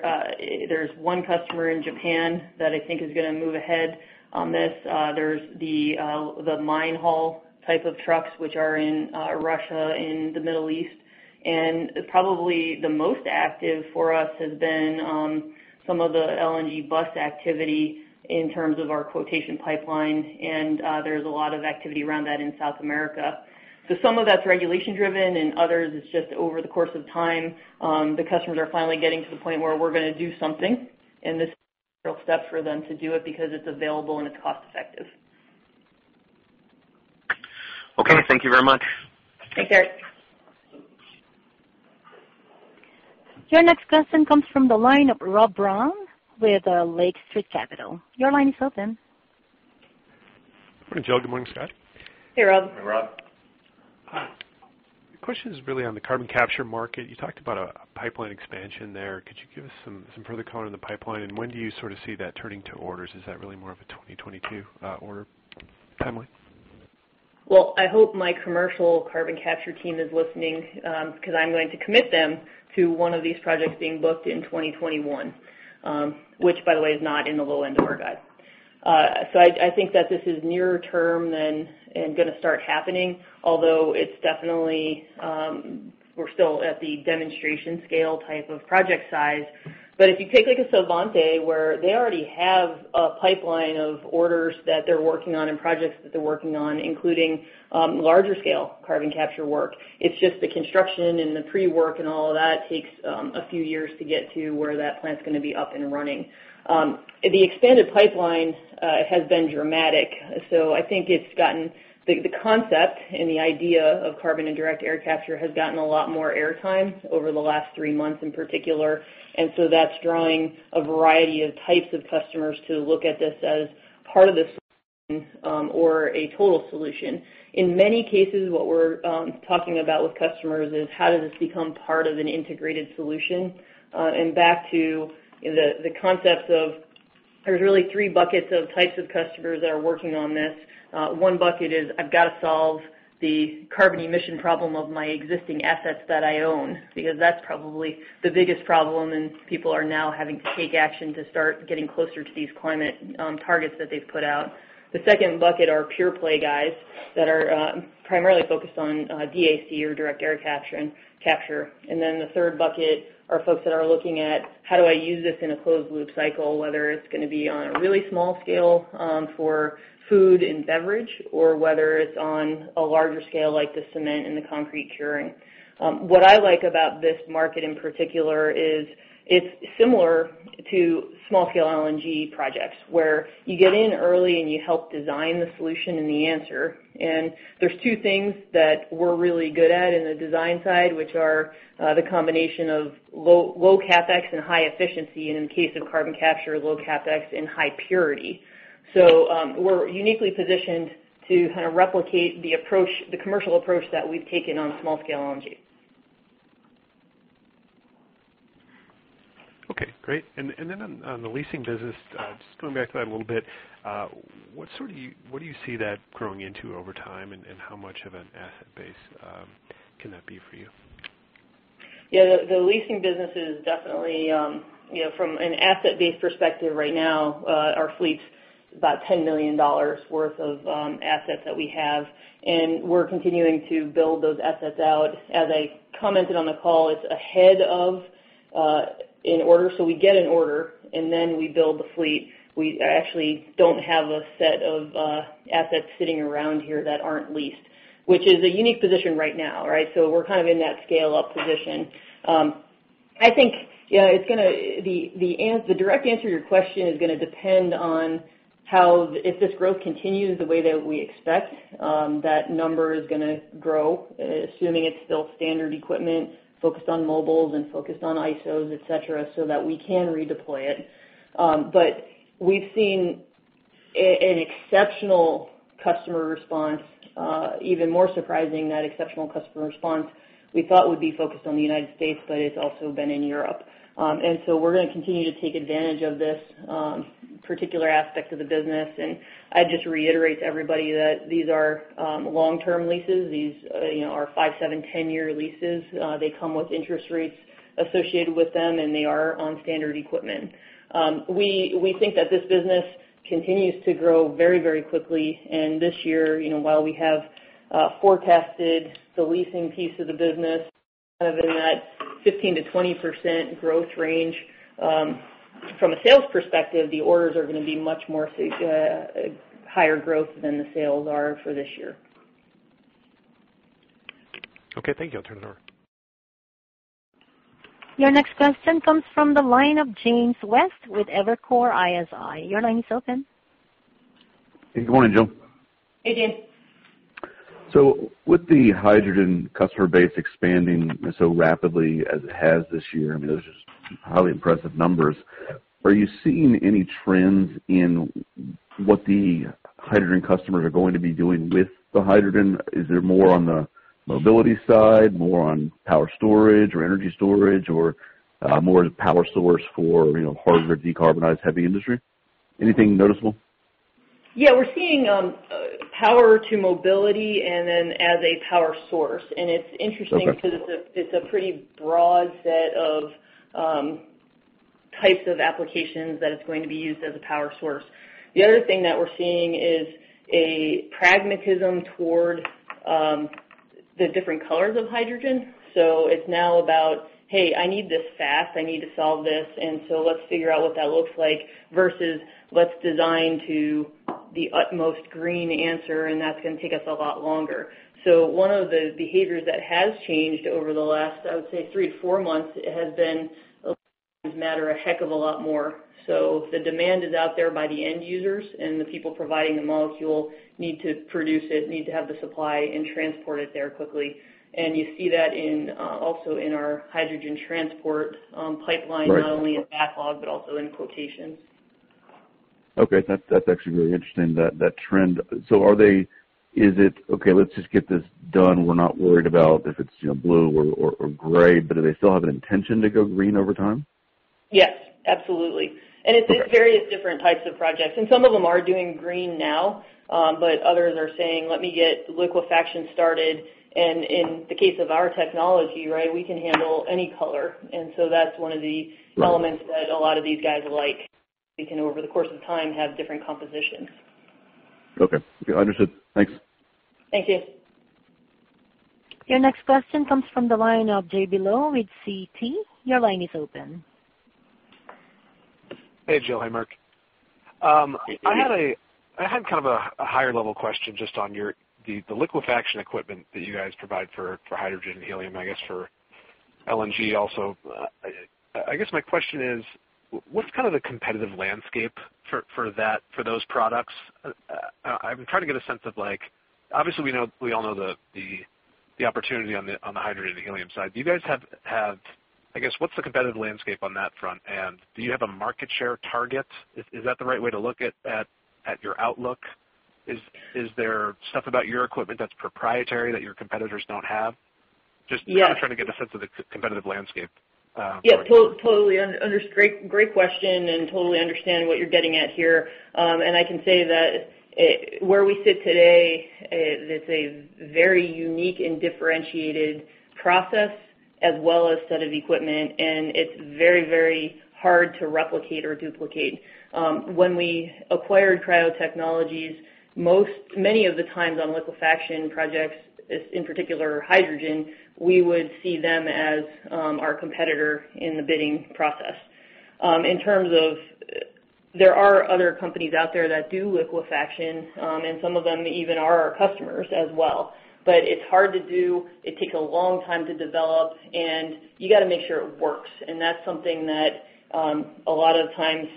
there's one customer in Japan that I think is going to move ahead on this. There's the mine haul type of trucks, which are in Russia in the Middle East. And probably the most active for us has been some of the LNG bus activity in terms of our quotation pipeline. And there's a lot of activity around that in South America. So some of that's regulation-driven, and others it's just over the course of time, the customers are finally getting to the point where we're going to do something. And this is a real step for them to do it because it's available and it's cost-effective. Okay. Thank you very much. Thanks, Eric. Your next question comes from the line of Rob Brown with Lake Street Capital Markets. Your line is open. Jill, good morning, Scott. Hey, Rob. Hey, Rob. My question is really on the carbon capture market. You talked about a pipeline expansion there. Could you give us some further color on the pipeline? And when do you sort of see that turning to orders? Is that really more of a 2022 order timeline? Well, I hope my commercial carbon capture team is listening because I'm going to commit them to one of these projects being booked in 2021, which, by the way, is not in the low end of our guide. So I think that this is near-term and going to start happening, although it's definitely, we're still at the demonstration scale type of project size. But if you take a Svante where they already have a pipeline of orders that they're working on and projects that they're working on, including larger-scale carbon capture work, it's just the construction and the pre-work and all of that takes a few years to get to where that plant's going to be up and running. The expanded pipeline has been dramatic, so I think it's gotten the concept and the idea of carbon capture and direct air capture has gotten a lot more airtime over the last three months in particular, and so that's drawing a variety of types of customers to look at this as part of the solution or a total solution. In many cases, what we're talking about with customers is how does this become part of an integrated solution, and back to the concepts of there's really three buckets of types of customers that are working on this. One bucket is I've got to solve the carbon emission problem of my existing assets that I own because that's probably the biggest problem, and people are now having to take action to start getting closer to these climate targets that they've put out. The second bucket are pure-play guys that are primarily focused on DAC or direct air capture. And then the third bucket are folks that are looking at how do I use this in a closed-loop cycle, whether it's going to be on a really small scale for food and beverage or whether it's on a larger scale like the cement and the concrete curing. What I like about this market in particular is it's similar to small-scale LNG projects where you get in early and you help design the solution and the answer. And there's two things that we're really good at in the design side, which are the combination of low CapEx and high efficiency and, in the case of carbon capture, low CapEx and high purity. So we're uniquely positioned to kind of replicate the commercial approach that we've taken on small-scale LNG. Okay. Great. And then on the leasing business, just going back to that a little bit, what do you see that growing into over time and how much of an asset base can that be for you? Yeah, the leasing business is definitely from an asset-based perspective right now, our fleet's about $10 million worth of assets that we have. And we're continuing to build those assets out. As I commented on the call, it's ahead of an order. So we get an order, and then we build the fleet. We actually don't have a set of assets sitting around here that aren't leased, which is a unique position right now, right? So we're kind of in that scale-up position. I think it's going to the direct answer to your question is going to depend on how if this growth continues the way that we expect, that number is going to grow, assuming it's still standard equipment focused on mobiles and focused on ISOs, etc., so that we can redeploy it, but we've seen an exceptional customer response, even more surprising that exceptional customer response we thought would be focused on the United States, but it's also been in Europe, and so we're going to continue to take advantage of this particular aspect of the business, and I'd just reiterate to everybody that these are long-term leases. These are five, seven, 10-year leases. They come with interest rates associated with them, and they are on standard equipment. We think that this business continues to grow very, very quickly. And this year, while we have forecasted the leasing piece of the business kind of in that 15%-20% growth range, from a sales perspective, the orders are going to be much more higher growth than the sales are for this year. Okay. Thank you. I'll turn it over. Your next question comes from the line of James West with Evercore ISI. Your line is open. Hey, good morning, Jill. Hey, James. So with the hydrogen customer base expanding so rapidly as it has this year, I mean, those are just highly impressive numbers. Are you seeing any trends in what the hydrogen customers are going to be doing with the hydrogen? Is there more on the mobility side, more on power storage or energy storage, or more as a power source for hardware decarbonized heavy industry? Anything noticeable? Yeah, we're seeing power to mobility and then as a power source. And it's interesting because it's a pretty broad set of types of applications that it's going to be used as a power source. The other thing that we're seeing is a pragmatism toward the different colors of hydrogen. So it's now about, "Hey, I need this fast. I need to solve this. And so let's figure out what that looks like," versus, "Let's design to the utmost green answer, and that's going to take us a lot longer." So one of the behaviors that has changed over the last, I would say, three to four months has mattered a heck of a lot more. So the demand is out there by the end users, and the people providing the molecule need to produce it, need to have the supply and transport it there quickly. And you see that also in our hydrogen transport pipeline, not only in backlog but also in quotations. Okay. That's actually really interesting, that trend. So is it, "Okay, let's just get this done. We're not worried about if it's blue or gray," but do they still have an intention to go green over time? Yes, absolutely. And it's various different types of projects. And some of them are doing green now, but others are saying, "Let me get liquefaction started." And in the case of our technology, right, we can handle any color. And so that's one of the elements that a lot of these guys like. They can, over the course of time, have different compositions. Okay. Understood. Thanks. Thank you. Your next question comes from the line of Jay Goldman with Citi. Your line is open. Hey, Jill. Hey, Mark. I had kind of a higher-level question just on the liquefaction equipment that you guys provide for hydrogen and helium, I guess, for LNG also. I guess my question is, what's kind of the competitive landscape for those products? I'm trying to get a sense of, obviously, we all know the opportunity on the hydrogen and helium side. Do you guys have I guess, what's the competitive landscape on that front? And do you have a market share target? Is that the right way to look at your outlook? Is there stuff about your equipment that's proprietary that your competitors don't have? Just kind of trying to get a sense of the competitive landscape. Yeah, totally. Great question and totally understand what you're getting at here. I can say that where we sit today, it's a very unique and differentiated process as well as set of equipment, and it's very, very hard to replicate or duplicate. When we acquired Cryo Technologies, many of the times on liquefaction projects, in particular hydrogen, we would see them as our competitor in the bidding process. In terms of there are other companies out there that do liquefaction, and some of them even are our customers as well. It's hard to do. It takes a long time to develop, and you got to make sure it works. And that's something that a lot of times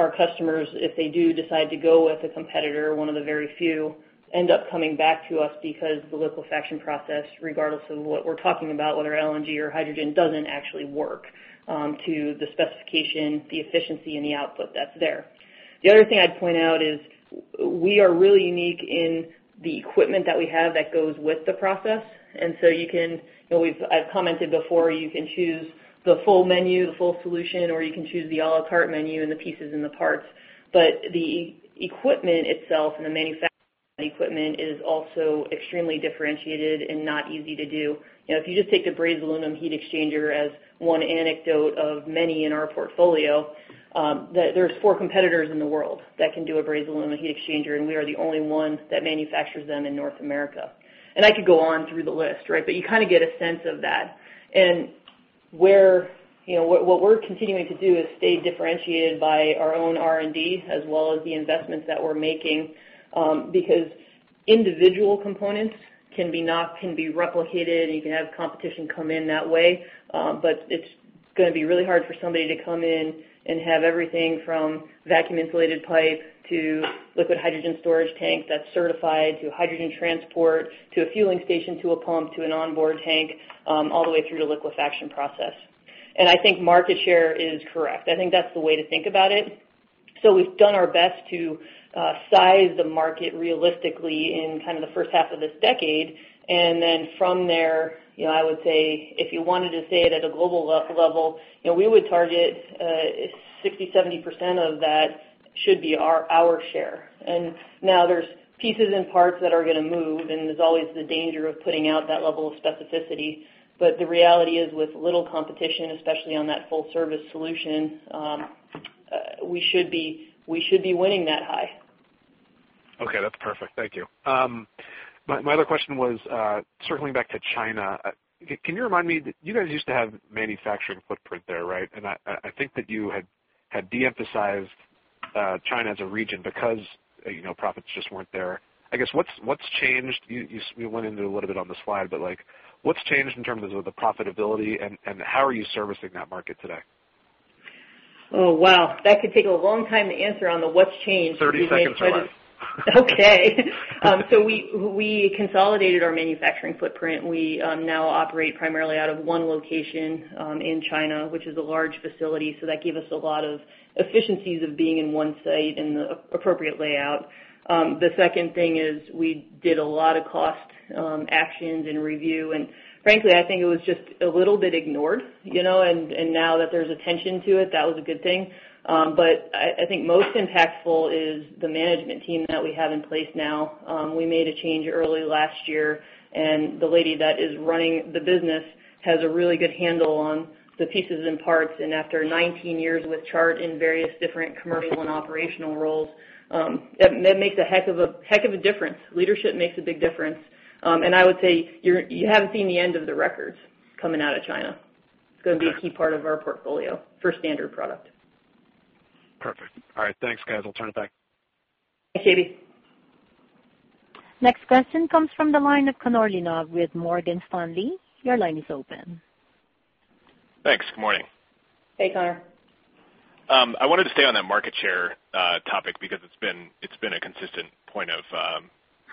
our customers, if they do decide to go with a competitor, one of the very few, end up coming back to us because the liquefaction process, regardless of what we're talking about, whether LNG or hydrogen, doesn't actually work to the specification, the efficiency, and the output that's there. The other thing I'd point out is we are really unique in the equipment that we have that goes with the process. And so you can. I've commented before, you can choose the full menu, the full solution, or you can choose the à la carte menu and the pieces and the parts. But the equipment itself and the manufacturing equipment is also extremely differentiated and not easy to do. If you just take the brazed aluminum heat exchanger as one anecdote of many in our portfolio, there's four competitors in the world that can do a brazed aluminum heat exchanger, and we are the only one that manufactures them in North America, and I could go on through the list, right, but you kind of get a sense of that, and what we're continuing to do is stay differentiated by our own R&D as well as the investments that we're making because individual components can be replicated, and you can have competition come in that way, but it's going to be really hard for somebody to come in and have everything from vacuum-insulated pipe to liquid hydrogen storage tanks that's certified to hydrogen transport to a fueling station to a pump to an onboard tank all the way through to liquefaction process, and I think market share is correct. I think that's the way to think about it. So we've done our best to size the market realistically in kind of the first half of this decade. And then from there, I would say if you wanted to say it at a global level, we would target 60%-70% of that should be our share. And now there's pieces and parts that are going to move, and there's always the danger of putting out that level of specificity. But the reality is, with little competition, especially on that full-service solution, we should be winning that high. Okay. That's perfect. Thank you. My other question was circling back to China. Can you remind me you guys used to have manufacturing footprint there, right? And I think that you had de-emphasized China as a region because profits just weren't there. I guess what's changed? You went into it a little bit on the slide, but what's changed in terms of the profitability, and how are you servicing that market today? Oh, wow. That could take a long time to answer on the what's changed. 30 seconds for us. Okay. So we consolidated our manufacturing footprint. We now operate primarily out of one location in China, which is a large facility. So that gave us a lot of efficiencies of being in one site and the appropriate layout. The second thing is we did a lot of cost actions and review. And frankly, I think it was just a little bit ignored. And now that there's attention to it, that was a good thing. But I think most impactful is the management team that we have in place now. We made a change early last year, and the lady that is running the business has a really good handle on the pieces and parts. And after 19 years with Chart in various different commercial and operational roles, it makes a heck of a difference. Leadership makes a big difference. And I would say you haven't seen the end of the records coming out of China. It's going to be a key part of our portfolio for standard product. Perfect. All right. Thanks, guys. I'll turn it back. Thanks, JB. Next question comes from the line of Connor Lynagh with Morgan Stanley. Your line is open. Thanks. Good morning. Hey, Connor. I wanted to stay on that market share topic because it's been a consistent point of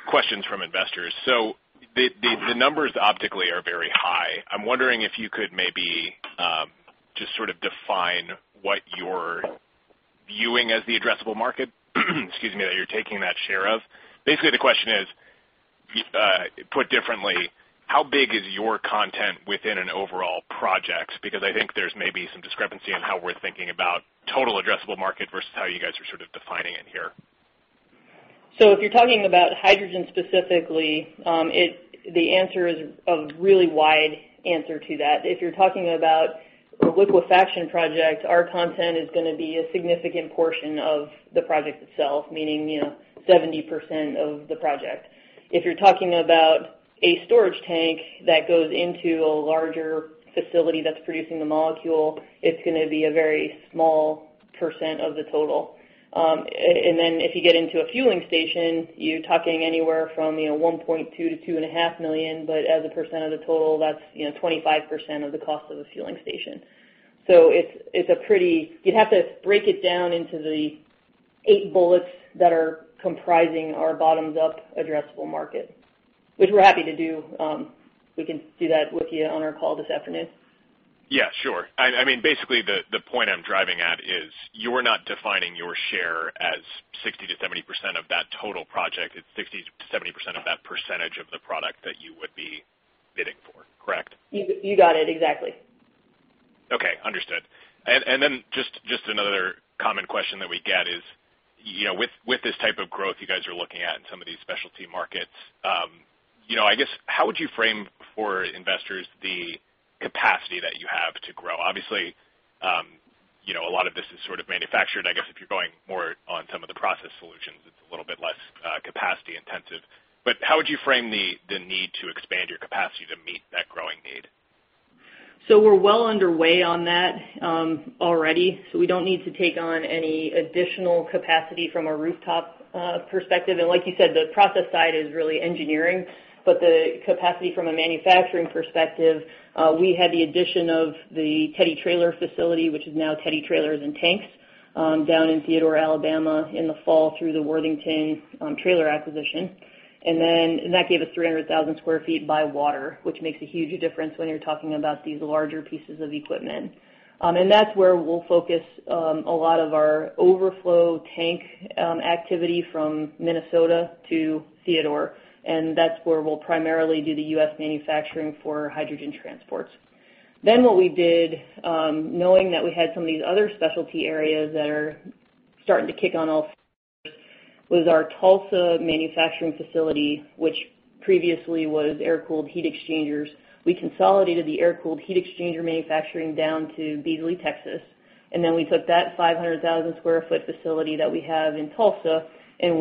questions from investors. So the numbers optically are very high. I'm wondering if you could maybe just sort of define what you're viewing as the addressable market, excuse me, that you're taking that share of. Basically, the question is, put differently, how big is your content within an overall project? Because I think there's maybe some discrepancy in how we're thinking about total addressable market versus how you guys are sort of defining it here. So if you're talking about hydrogen specifically, the answer is a really wide answer to that. If you're talking about a liquefaction project, our content is going to be a significant portion of the project itself, meaning 70% of the project. If you're talking about a storage tank that goes into a larger facility that's producing the molecule, it's going to be a very small % of the total. Then if you get into a fueling station, you're talking anywhere from $1.2 million-$2.5 million. As a percent of the total, that's 25% of the cost of a fueling station. So it's a pretty you'd have to break it down into the eight bullets that are comprising our bottoms-up addressable market, which we're happy to do. We can do that with you on our call this afternoon. Yeah, sure. I mean, basically, the point I'm driving at is you're not defining your share as 60%-70% of that total project. It's 60%-70% of that percentage of the product that you would be bidding for, correct? You got it. Exactly. Okay. Understood. And then just another common question that we get is, with this type of growth you guys are looking at in some of these specialty markets, I guess, how would you frame for investors the capacity that you have to grow? Obviously, a lot of this is sort of manufactured. I guess if you're going more on some of the process solutions, it's a little bit less capacity intensive. But how would you frame the need to expand your capacity to meet that growing need? So we're well underway on that already. So we don't need to take on any additional capacity from a rooftop perspective. And like you said, the process side is really engineering. But the capacity from a manufacturing perspective, we had the addition of the Teddy Trailer facility, which is now Teddy Trailers and Tanks down in Theodore, Alabama, in the fall through the Worthington Trailer acquisition. And then that gave us 300,000 sq ft by water, which makes a huge difference when you're talking about these larger pieces of equipment. And that's where we'll focus a lot of our overflow tank activity from Minnesota to Theodore. And that's where we'll primarily do the US manufacturing for hydrogen transports. Then what we did, knowing that we had some of these other specialty areas that are starting to kick on off, was our Tulsa manufacturing facility, which previously was air-cooled heat exchangers. We consolidated the air-cooled heat exchanger manufacturing down to Beaumont, Texas. And then we took that 500,000 sq ft facility that we have in Tulsa, and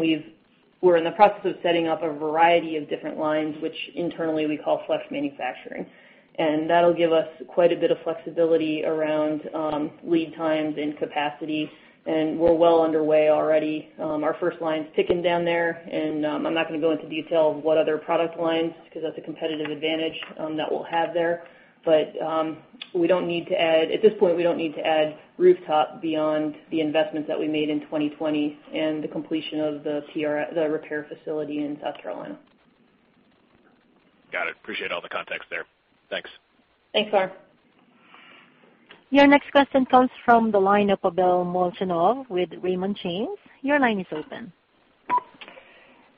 we're in the process of setting up a variety of different lines, which internally we call flex manufacturing. And that'll give us quite a bit of flexibility around lead times and capacity. And we're well underway already. Our first line's ticking down there. And I'm not going to go into detail of what other product lines because that's a competitive advantage that we'll have there. But we don't need to add at this point, we don't need to add rooftop beyond the investments that we made in 2020 and the completion of the repair facility in South Carolina. Got it. Appreciate all the context there. Thanks. Thanks, Connor. Your next question comes from the line of Pavel Molchanov with Raymond James. Your line is open.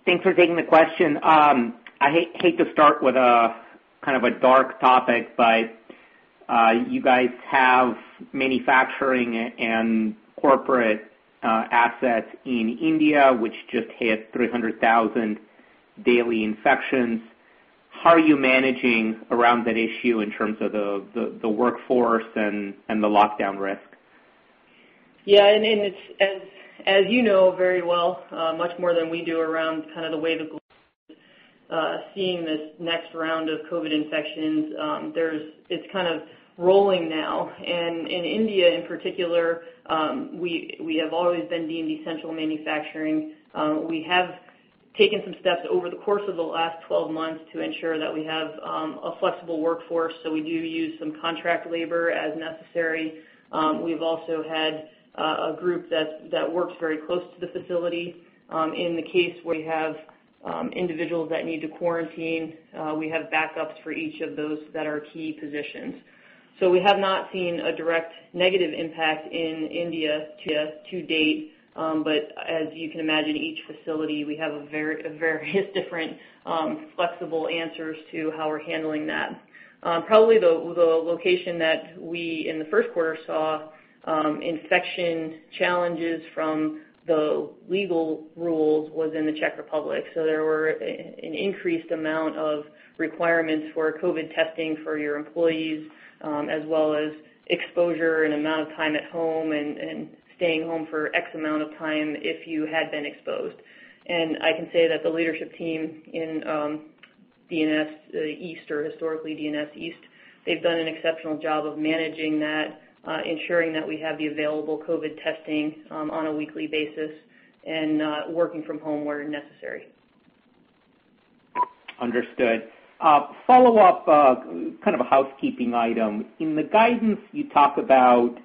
Thanks for taking the question. I hate to start with kind of a dark topic, but you guys have manufacturing and corporate assets in India, which just hit 300,000 daily infections. How are you managing around that issue in terms of the workforce and the lockdown risk? Yeah, and as you know very well, much more than we do around kind of the way the globe is seeing this next round of COVID infections, it's kind of rolling now, and in India, in particular, we have always been deemed essential manufacturing. We have taken some steps over the course of the last 12 months to ensure that we have a flexible workforce, so we do use some contract labor as necessary. We've also had a group that works very close to the facility. In the case where we have individuals that need to quarantine, we have backups for each of those that are key positions. So we have not seen a direct negative impact in India to date. But as you can imagine, each facility, we have various different flexible answers to how we're handling that. Probably the location that we in the first quarter saw infection challenges from the legal rules was in the Czech Republic. So there were an increased amount of requirements for COVID testing for your employees, as well as exposure and amount of time at home and staying home for X amount of time if you had been exposed. And I can say that the leadership team in D&S East, or historically D&S East, they've done an exceptional job of managing that, ensuring that we have the available COVID testing on a weekly basis and working from home where necessary. Understood. Follow-up, kind of a housekeeping item. In the guidance, you talk about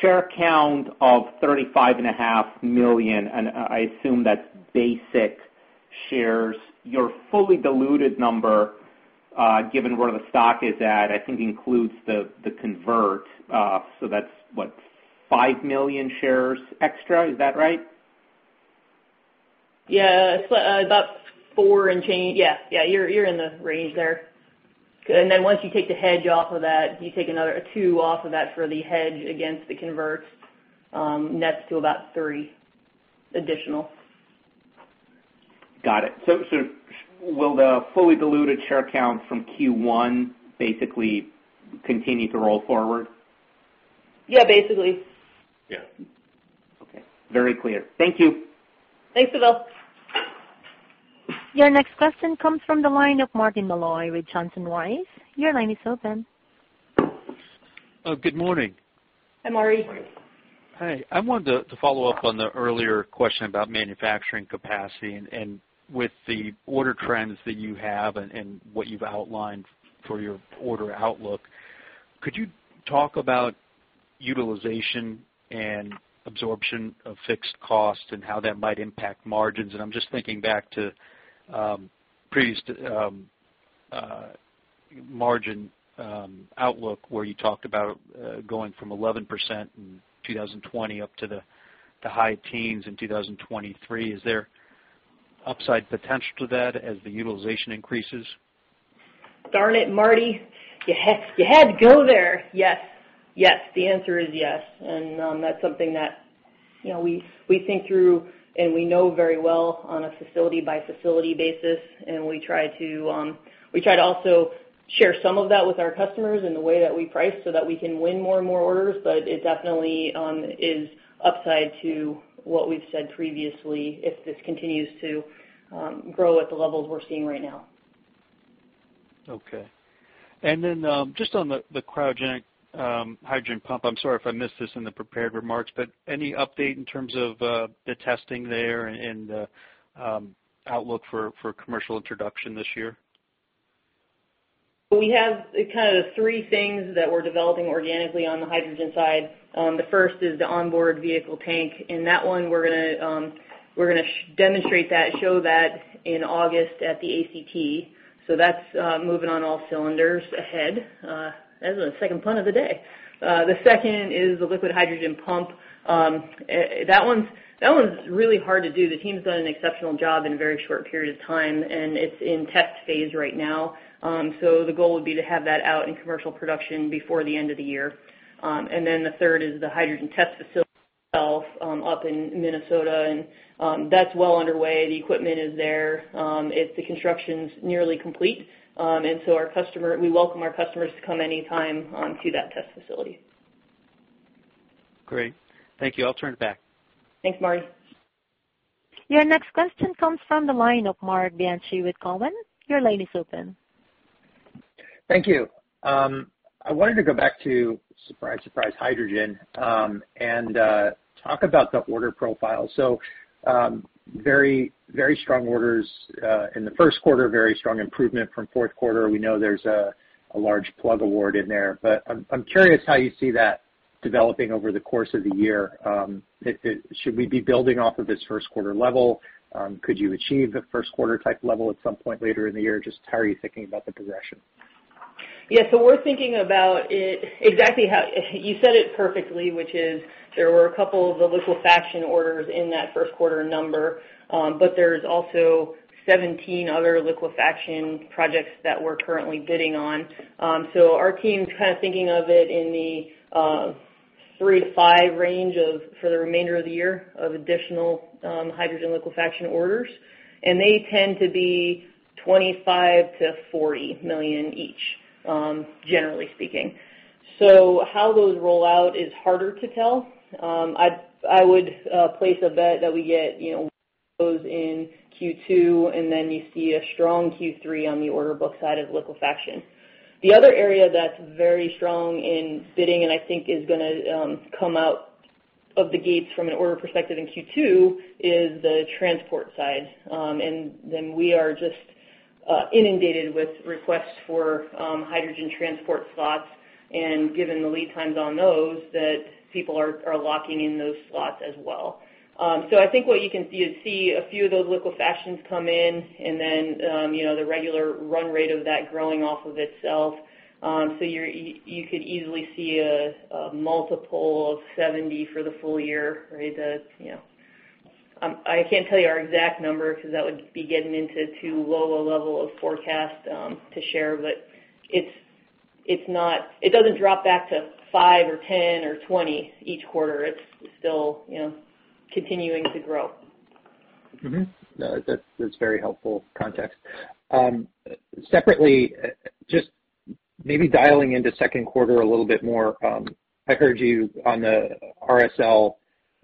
share count of 35.5 million. And I assume that's basic shares. Your fully diluted number, given where the stock is at, I think includes the convert. So that's what, five million shares extra? Is that right? Yeah. About four and change. Yeah. Yeah. You're in the range there. And then once you take the hedge off of that, you take another two off of that for the hedge against the convert, nets to about three additional. Got it. So will the fully diluted share count from Q1 basically continue to roll forward? Yeah. Basically. Y eah. Okay. Very clear. Thank you. Thanks, Pavel. Your next question comes from the line of Martin Malloy with Johnson Rice. Your line is open. Good morning. Hi Marty. Hey. I wanted to follow up on the earlier question about manufacturing capacity. And with the order trends that you have and what you've outlined for your order outlook, could you talk about utilization and absorption of fixed cost and how that might impact margins? And I'm just thinking back to previous margin outlook where you talked about going from 11% in 2020 up to the high teens in 2023. Is there upside potential to that as the utilization increases? Darling, Marty, you had to go there. Yes. Yes. The answer is yes. And that's something that we think through and we know very well on a facility-by-facility basis. And we try to also share some of that with our customers in the way that we price so that we can win more and more orders. But it definitely is upside to what we've said previously if this continues to grow at the levels we're seeing right now. Okay. And then just on the cryogenic hydrogen pump, I'm sorry if I missed this in the prepared remarks, but any update in terms of the testing there and the outlook for commercial introduction this year? We have kind of three things that we're developing organically on the hydrogen side. The first is the onboard vehicle tank. And that one, we're going to demonstrate that, show that in August at the ACT. So that's moving on all cylinders ahead. That was the second pun of the day. The second is the liquid hydrogen pump. That one's really hard to do. The team's done an exceptional job in a very short period of time. And it's in test phase right now. So the goal would be to have that out in commercial production before the end of the year. And then the third is the hydrogen test facility itself up in Minnesota. That's well underway. The equipment is there. The construction's nearly complete. And so we welcome our customers to come anytime to that test facility. Great. Thank you. I'll turn it back. Thanks, Marty. Your next question comes from the line of Mark Bianchi with Cowen. Your line is open. Thank you. I wanted to go back to surprise, surprise hydrogen and talk about the order profile. So very strong orders in the first quarter, very strong improvement from fourth quarter. We know there's a large Plug award in there. But I'm curious how you see that developing over the course of the year. Should we be building off of this first quarter level? Could you achieve a first quarter type level at some point later in the year? Just how are you thinking about the progression? Yeah. So we're thinking about it exactly how you said it perfectly, which is there were a couple of the liquefaction orders in that first quarter number. But there's also 17 other liquefaction projects that we're currently bidding on. So our team's kind of thinking of it in the three to five range for the remainder of the year of additional hydrogen liquefaction orders. And they tend to be $25 million-$40 million each, generally speaking. So how those roll out is harder to tell. I would place a bet that we get those in Q2, and then you see a strong Q3 on the order book side of liquefaction. The other area that's very strong in bidding, and I think is going to come out of the gates from an order perspective in Q2, is the transport side. And then we are just inundated with requests for hydrogen transport slots. Given the lead times on those, that people are locking in those slots as well. So I think what you can see is a few of those liquefactions come in, and then the regular run rate of that growing off of itself. So you could easily see a multiple of 70 for the full year, right? I can't tell you our exact number because that would be getting into too low a level of forecast to share. But it doesn't drop back to five or 10 or 20 each quarter. It's still continuing to grow. That's very helpful context. Separately, just maybe dialing into second quarter a little bit more, I heard you on the RSL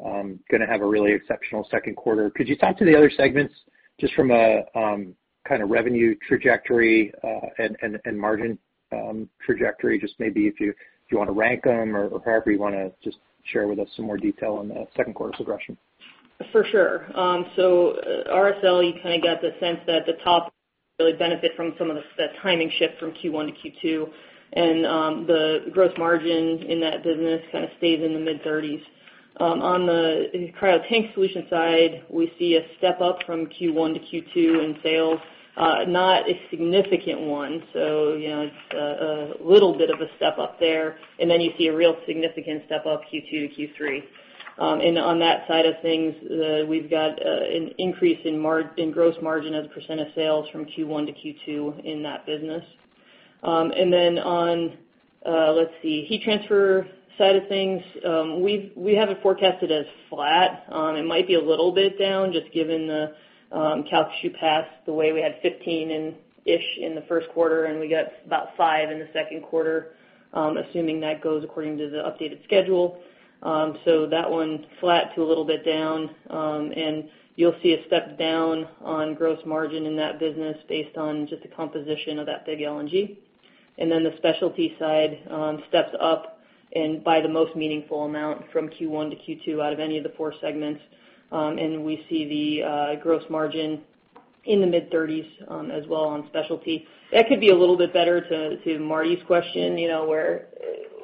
going to have a really exceptional second quarter. Could you talk to the other segments just from a kind of revenue trajectory and margin trajectory? Just maybe if you want to rank them or however you want to just share with us some more detail on the second quarter progression. For sure. So RSL, you kind of got the sense that the top really benefit from some of the timing shift from Q1 to Q2. And the gross margin in that business kind of stays in the mid-30s. On the cryo tank solution side, we see a step up from Q1 to Q2 in sales, not a significant one. So a little bit of a step up there. And then you see a real significant step up Q2 to Q3. And on that side of things, we've got an increase in gross margin as a % of sales from Q1 to Q2 in that business. And then on, let's see, heat transfer side of things, we haven't forecasted as flat. It might be a little bit down just given the Calcasieu Pass the way we had 15-ish in the first quarter, and we got about five in the second quarter, assuming that goes according to the updated schedule. That one flat to a little bit down. You'll see a step down on gross margin in that business based on just the composition of that big LNG. Then the specialty side steps up by the most meaningful amount from Q1 to Q2 out of any of the four segments. We see the gross margin in the mid-30s% as well on specialty. That could be a little bit better to Marty's question where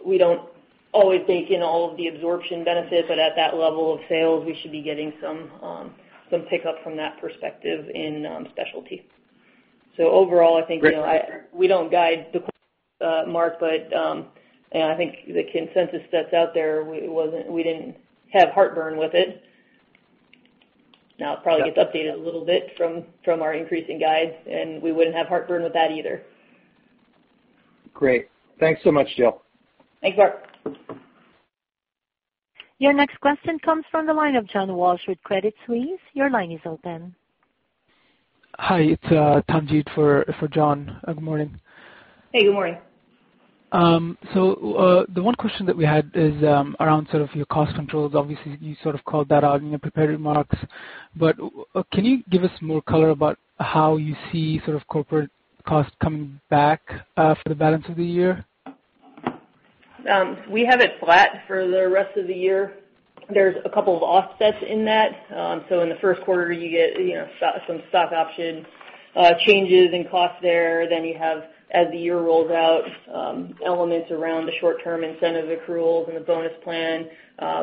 we don't always think in all of the absorption benefit, but at that level of sales, we should be getting some pickup from that perspective in specialty. So overall, I think we don't guide the quarter, Mark, but I think the consensus that's out there, we didn't have heartburn with it. Now, it probably gets updated a little bit from our increasing guides, and we wouldn't have heartburn with that either. Great. Thanks so much, Jill. Thanks, Mark. Your next question comes from the line of John Walsh with Credit Suisse. Your line is open. Hi. It's Tanjeet for John. Good morning. Hey. Good morning. So the one question that we had is around sort of your cost controls. Obviously, you sort of called that out in your prepared remarks. But can you give us more color about how you see sort of corporate cost coming back for the balance of the year? We have it flat for the rest of the year. There's a couple of offsets in that. So in the first quarter, you get some stock option changes in cost there. Then you have, as the year rolls out, elements around the short-term incentive accruals and the bonus plan.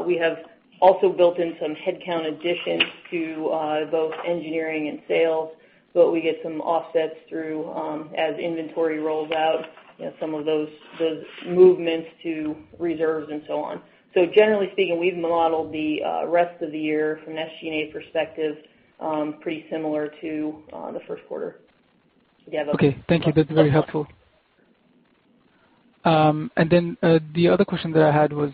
We have also built in some headcount additions to both engineering and sales. But we get some offsets through as inventory rolls out, some of those movements to reserves and so on. So generally speaking, we've modeled the rest of the year from an SG&A perspective pretty similar to the first quarter. Yeah. Okay. Thank you. That's very helpful. And then the other question that I had was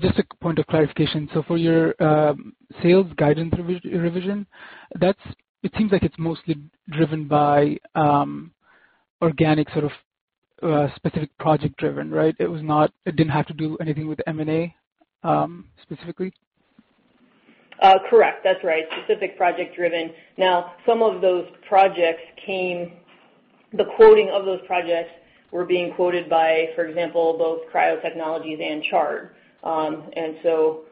just a point of clarification. So for your sales guidance revision, it seems like it's mostly driven by organic sort of specific project-driven, right? It didn't have to do anything with M&A specifically? Correct. That's right. Specific project-driven. Now, some of those projects came the quoting of those projects were being quoted by, for example, both Cryo Technologies and Chart. And so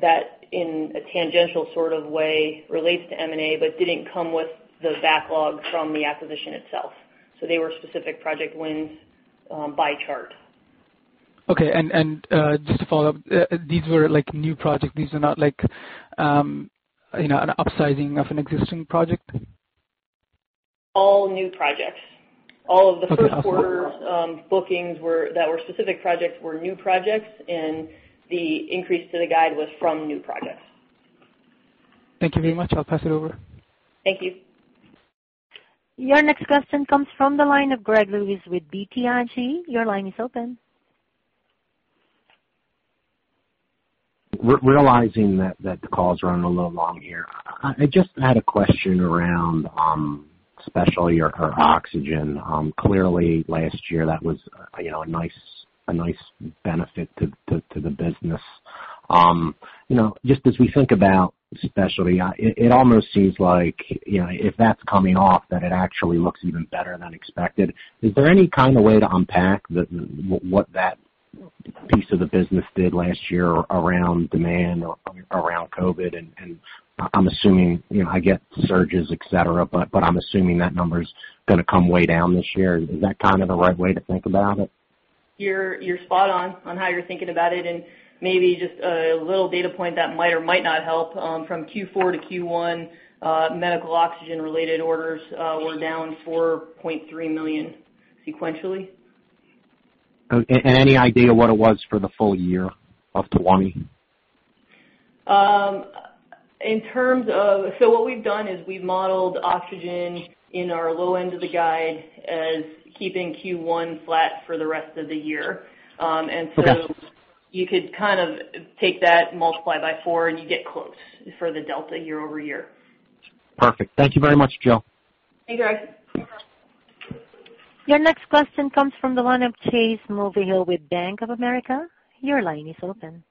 that, in a tangential sort of way, relates to M&A, but didn't come with the backlog from the acquisition itself. So they were specific project wins by Chart. Okay, and just to follow up, these were new projects. These are not like an upsizing of an existing project? All new projects. All of the first quarter bookings that were specific projects were new projects, and the increase to the guide was from new projects. Thank you very much. I'll pass it over. Thank you. Your next question comes from the line of Greg Lewis with BTIG. Your line is open. Realizing that the call's running a little long here, I just had a question around specialty or oxygen. Clearly, last year, that was a nice benefit to the business. Just as we think about specialty, it almost seems like if that's coming off, that it actually looks even better than expected. Is there any kind of way to unpack what that piece of the business did last year around demand or around COVID? And I'm assuming I get surges, etc., but I'm assuming that number's going to come way down this year. Is that kind of the right way to think about it? You're spot on on how you're thinking about it. And maybe just a little data point that might or might not help. From Q4 to Q1, medical oxygen-related orders were down 4.3 million sequentially. And any idea what it was for the full year of 2020? So what we've done is we've modeled oxygen in our low end of the guide as keeping Q1 flat for the rest of the year. And so you could kind of take that, multiply by four, and you get close for the delta year over year. Perfect. Thank you very much, Jill. Thank you, guys. Your next question comes from the line of Chase Mulvehill with Bank of America. Your line is open.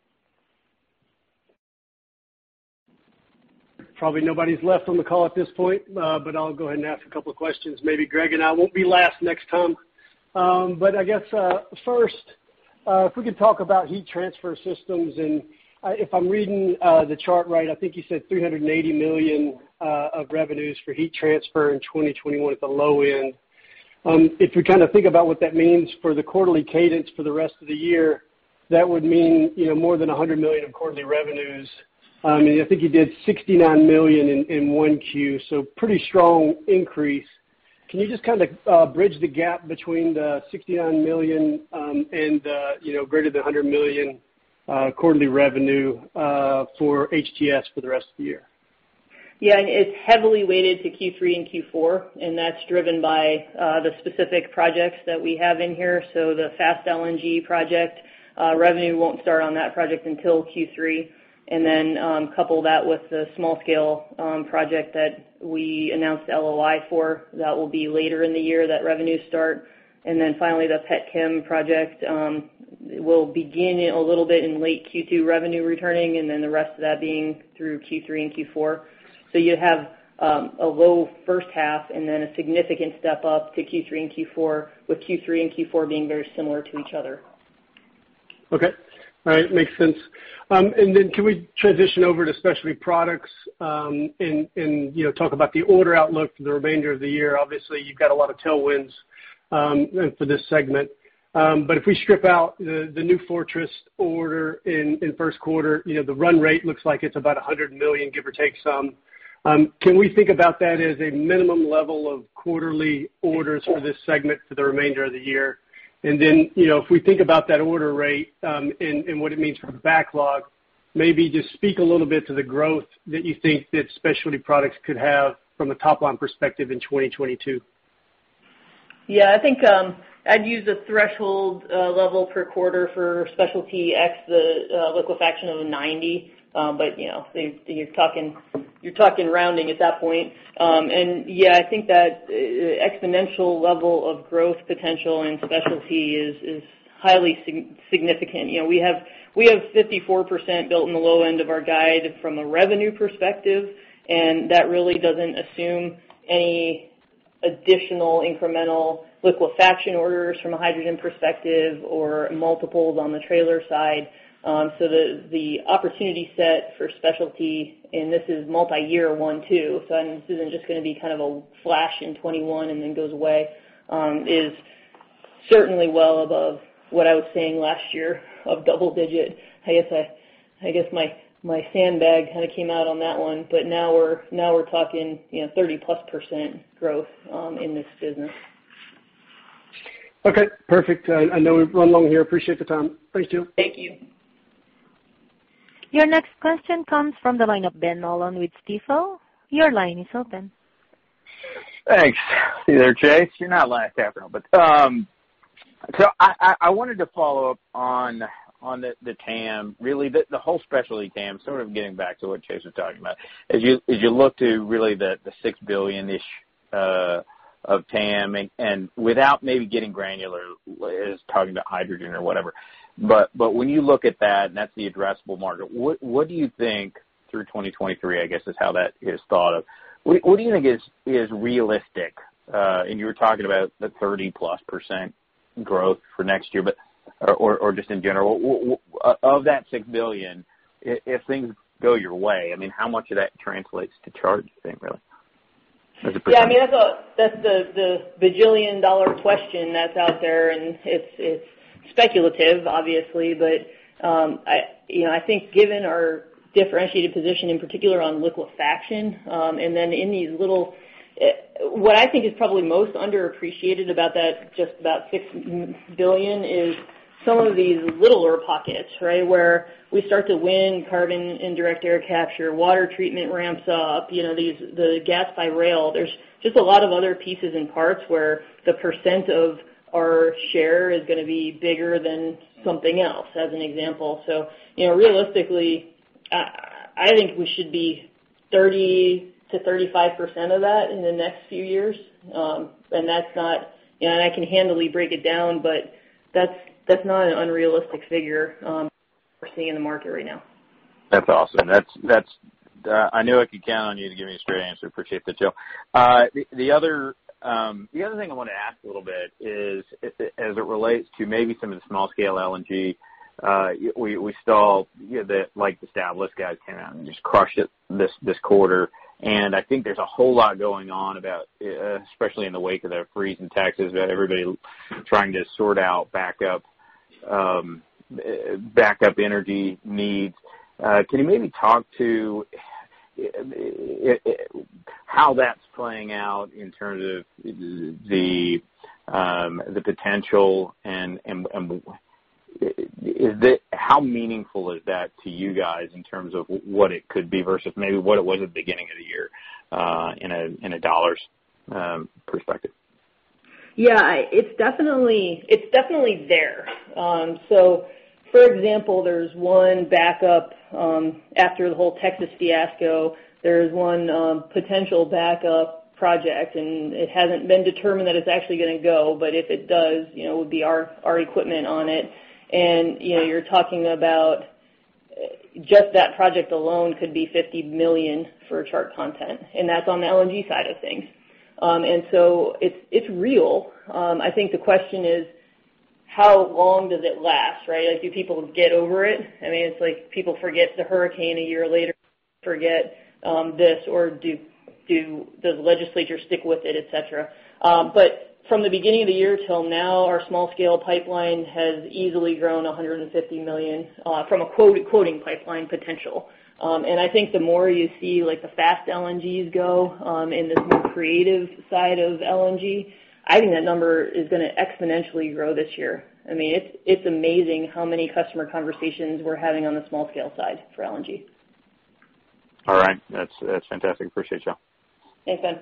Probably nobody's left on the call at this point, but I'll go ahead and ask a couple of questions. Maybe Greg and I won't be last next time. But I guess first, if we could talk about heat transfer systems. And if I'm reading the chart right, I think you said $380 million of revenues for heat transfer in 2021 at the low end. If we kind of think about what that means for the quarterly cadence for the rest of the year, that would mean more than $100 million of quarterly revenues. I mean, I think you did $69 million in one Q, so pretty strong increase. Can you just kind of bridge the gap between the $69 million and the greater than $100 million quarterly revenue for HTS for the rest of the year? Yeah. It's heavily weighted to Q3 and Q4, and that's driven by the specific projects that we have in here. So the Fast LNG project revenue won't start on that project until Q3. And then couple that with the small-scale project that we announced LOI for that will be later in the year that revenues start. And then finally, the PetChem project will begin a little bit in late Q2 revenue returning, and then the rest of that being through Q3 and Q4. So you have a low first half and then a significant step up to Q3 and Q4, with Q3 and Q4 being very similar to each other. Okay. All right. Makes sense. And then can we transition over to specialty products and talk about the order outlook for the remainder of the year? Obviously, you've got a lot of tailwinds for this segment. But if we strip out the New Fortress order in first quarter, the run rate looks like it's about $100 million, give or take some. Can we think about that as a minimum level of quarterly orders for this segment for the remainder of the year? Then if we think about that order rate and what it means for backlog, maybe just speak a little bit to the growth that you think that specialty products could have from a top-line perspective in 2022. Yeah. I think I'd use a threshold level per quarter for specialty X, the liquefaction of 90. But you're talking rounding at that point. And yeah, I think that exponential level of growth potential in specialty is highly significant. We have 54% built in the low end of our guide from a revenue perspective, and that really doesn't assume any additional incremental liquefaction orders from a hydrogen perspective or multiples on the trailer side. So the opportunity set for specialty, and this is multi-year one too, so this isn't just going to be kind of a flash in 2021 and then goes away, is certainly well above what I was seeing last year of double-digit %. I guess my sandbag kind of came out on that one. But now we're talking 30-plus% growth in this business. Okay. Perfect. I know we've run long here. Appreciate the time. Thanks, Jill. Thank you. Your next question comes from the line of Ben Nolan with Stifel. Your line is open. Thanks. Hey there, Chase. You're not live tape now, but so I wanted to follow up on the TAM, really the whole specialty TAM, sort of getting back to what Chase was talking about. As you look to really the 6 billion-ish of TAM, and without maybe getting granular, is talking about hydrogen or whatever. But when you look at that, and that's the addressable market, what do you think through 2023, I guess, is how that is thought of? What do you think is realistic? And you were talking about the 30-plus% growth for next year, or just in general, of that $6 billion, if things go your way, I mean, how much of that translates to Chart, I think, really? Yeah. I mean, that's the bajillion-dollar question that's out there, and it's speculative, obviously. But I think given our differentiated position, in particular on liquefaction, and then in these little what I think is probably most underappreciated about that just about $6 billion is some of these littler pockets, right, where we start to win in carbon and direct air capture, water treatment ramps up, the gas by rail. There's just a lot of other pieces and parts where the percent of our share is going to be bigger than something else, as an example. So realistically, I think we should be 30%-35% of that in the next few years. And that's not. I can handily break it down, but that's not an unrealistic figure we're seeing in the market right now. That's awesome. I knew I could count on you to give me a straight answer. Appreciate that, Jill. The other thing I wanted to ask a little bit is, as it relates to maybe some of the small-scale LNG, we saw the established guys came out and just crushed it this quarter. And I think there's a whole lot going on about, especially in the wake of the freeze in Texas, about everybody trying to sort out backup energy needs. Can you maybe talk to how that's playing out in terms of the potential? And how meaningful is that to you guys in terms of what it could be versus maybe what it was at the beginning of the year in a dollars perspective? Yeah. It's definitely there. So for example, there's one backup after the whole Texas fiasco. There is one potential backup project, and it hasn't been determined that it's actually going to go. But if it does, it would be our equipment on it. And you're talking about just that project alone could be $50 million for Chart content. And that's on the LNG side of things. And so it's real. I think the question is, how long does it last, right? Do people get over it? I mean, it's like people forget the hurricane a year later, forget this, or does the legislature stick with it, etc.? But from the beginning of the year till now, our small-scale pipeline has easily grown $150 million from a quoting pipeline potential. And I think the more you see the Fast LNGs go in this more creative side of LNG, I think that number is going to exponentially grow this year. I mean, it's amazing how many customer conversations we're having on the small-scale side for LNG. All right. That's fantastic. Appreciate y'all. Thanks, Ben.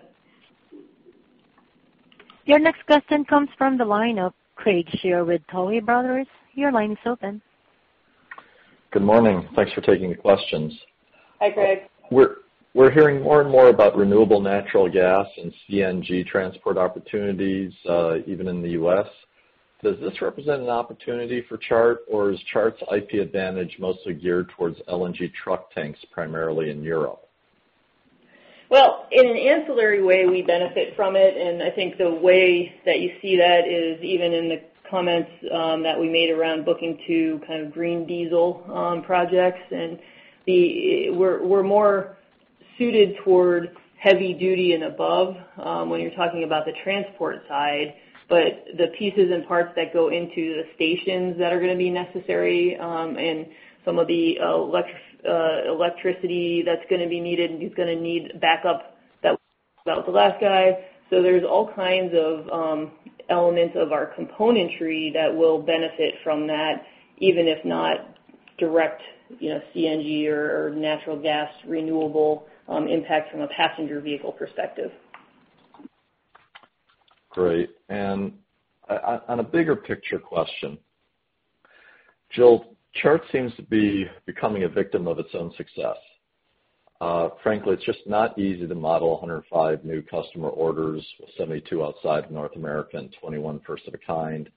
Your next question comes from the line of Craig Shere with Tuohy Brothers. Your line is open. Good morning. Thanks for taking the questions. Hi, Craig. We're hearing more and more about renewable natural gas and CNG transport opportunities, even in the U.S. Does this represent an opportunity for Chart, or is Chart's IP advantage mostly geared toward LNG truck tanks primarily in Europe? In an ancillary way, we benefit from it. I think the way that you see that is even in the comments that we made around booking two kinds of green diesel projects. We're more suited toward heavy duty and above when you're talking about the transport side. The pieces and parts that go into the stations that are going to be necessary, and some of the electricity that's going to be needed and is going to need backup that was outlined in the last guidance. There's all kinds of elements of our componentry that will benefit from that, even if not direct CNG or natural gas renewable impact from a passenger vehicle perspective. Great. And on a bigger picture question, Jill, Chart seems to be becoming a victim of its own success. Frankly, it's just not easy to model 105 new customer orders, 72 outside of North America and 21 first of a kind.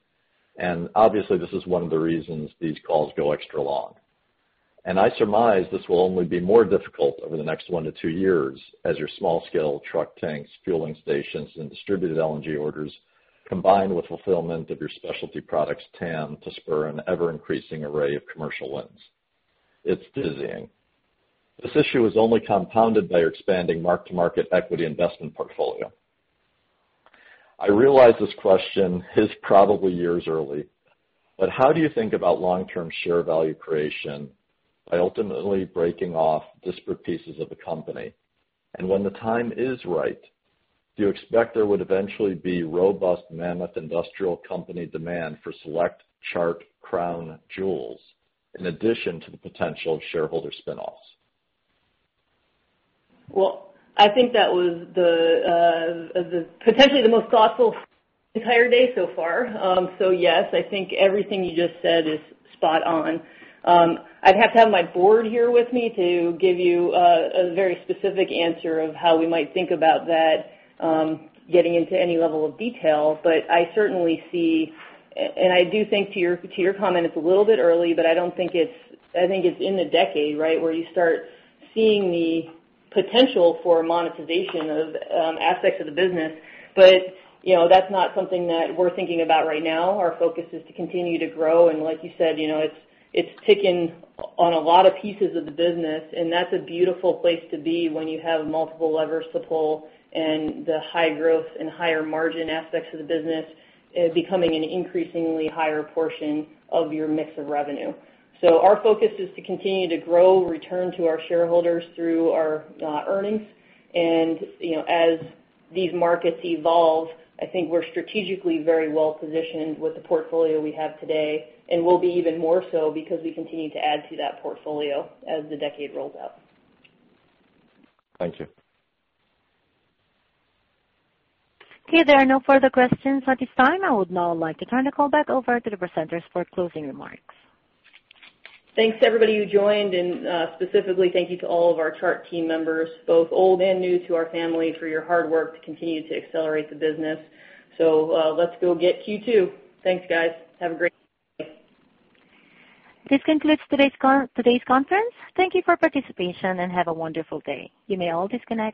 And obviously, this is one of the reasons these calls go extra long. And I surmise this will only be more difficult over the next one to two years as your small-scale truck tanks, fueling stations, and distributed LNG orders combine with fulfillment of your specialty products' TAM to spur an ever-increasing array of commercial wins. It's dizzying. This issue is only compounded by your expanding mark-to-market equity investment portfolio. I realize this question is probably years early, but how do you think about long-term share value creation by ultimately breaking off disparate pieces of the company? When the time is right, do you expect there would eventually be robust mammoth industrial company demand for select Chart crown jewels in addition to the potential shareholder spinoffs? I think that was potentially the most thoughtful entire day so far. Yes, I think everything you just said is spot on. I'd have to have my board here with me to give you a very specific answer of how we might think about that, getting into any level of detail. But I certainly see and I do think to your comment, it's a little bit early, but I don't think it is. I think it's in the decade, right, where you start seeing the potential for monetization of aspects of the business. But that's not something that we're thinking about right now. Our focus is to continue to grow. And like you said, it's ticking on a lot of pieces of the business. And that's a beautiful place to be when you have multiple levers to pull and the high growth and higher margin aspects of the business becoming an increasingly higher portion of your mix of revenue. So our focus is to continue to grow, return to our shareholders through our earnings. And as these markets evolve, I think we're strategically very well positioned with the portfolio we have today, and we'll be even more so because we continue to add to that portfolio as the decade rolls out. Thank you. Okay. There are no further questions at this time. I would now like to turn the call back over to the presenters for closing remarks. Thanks, everybody who joined. And specifically, thank you to all of our Chart team members, both old and new, to our family for your hard work to continue to accelerate the business. So let's go get Q2. Thanks, guys. Have a great day. This concludes today's conference. Thank you for participation and have a wonderful day. You may all disconnect.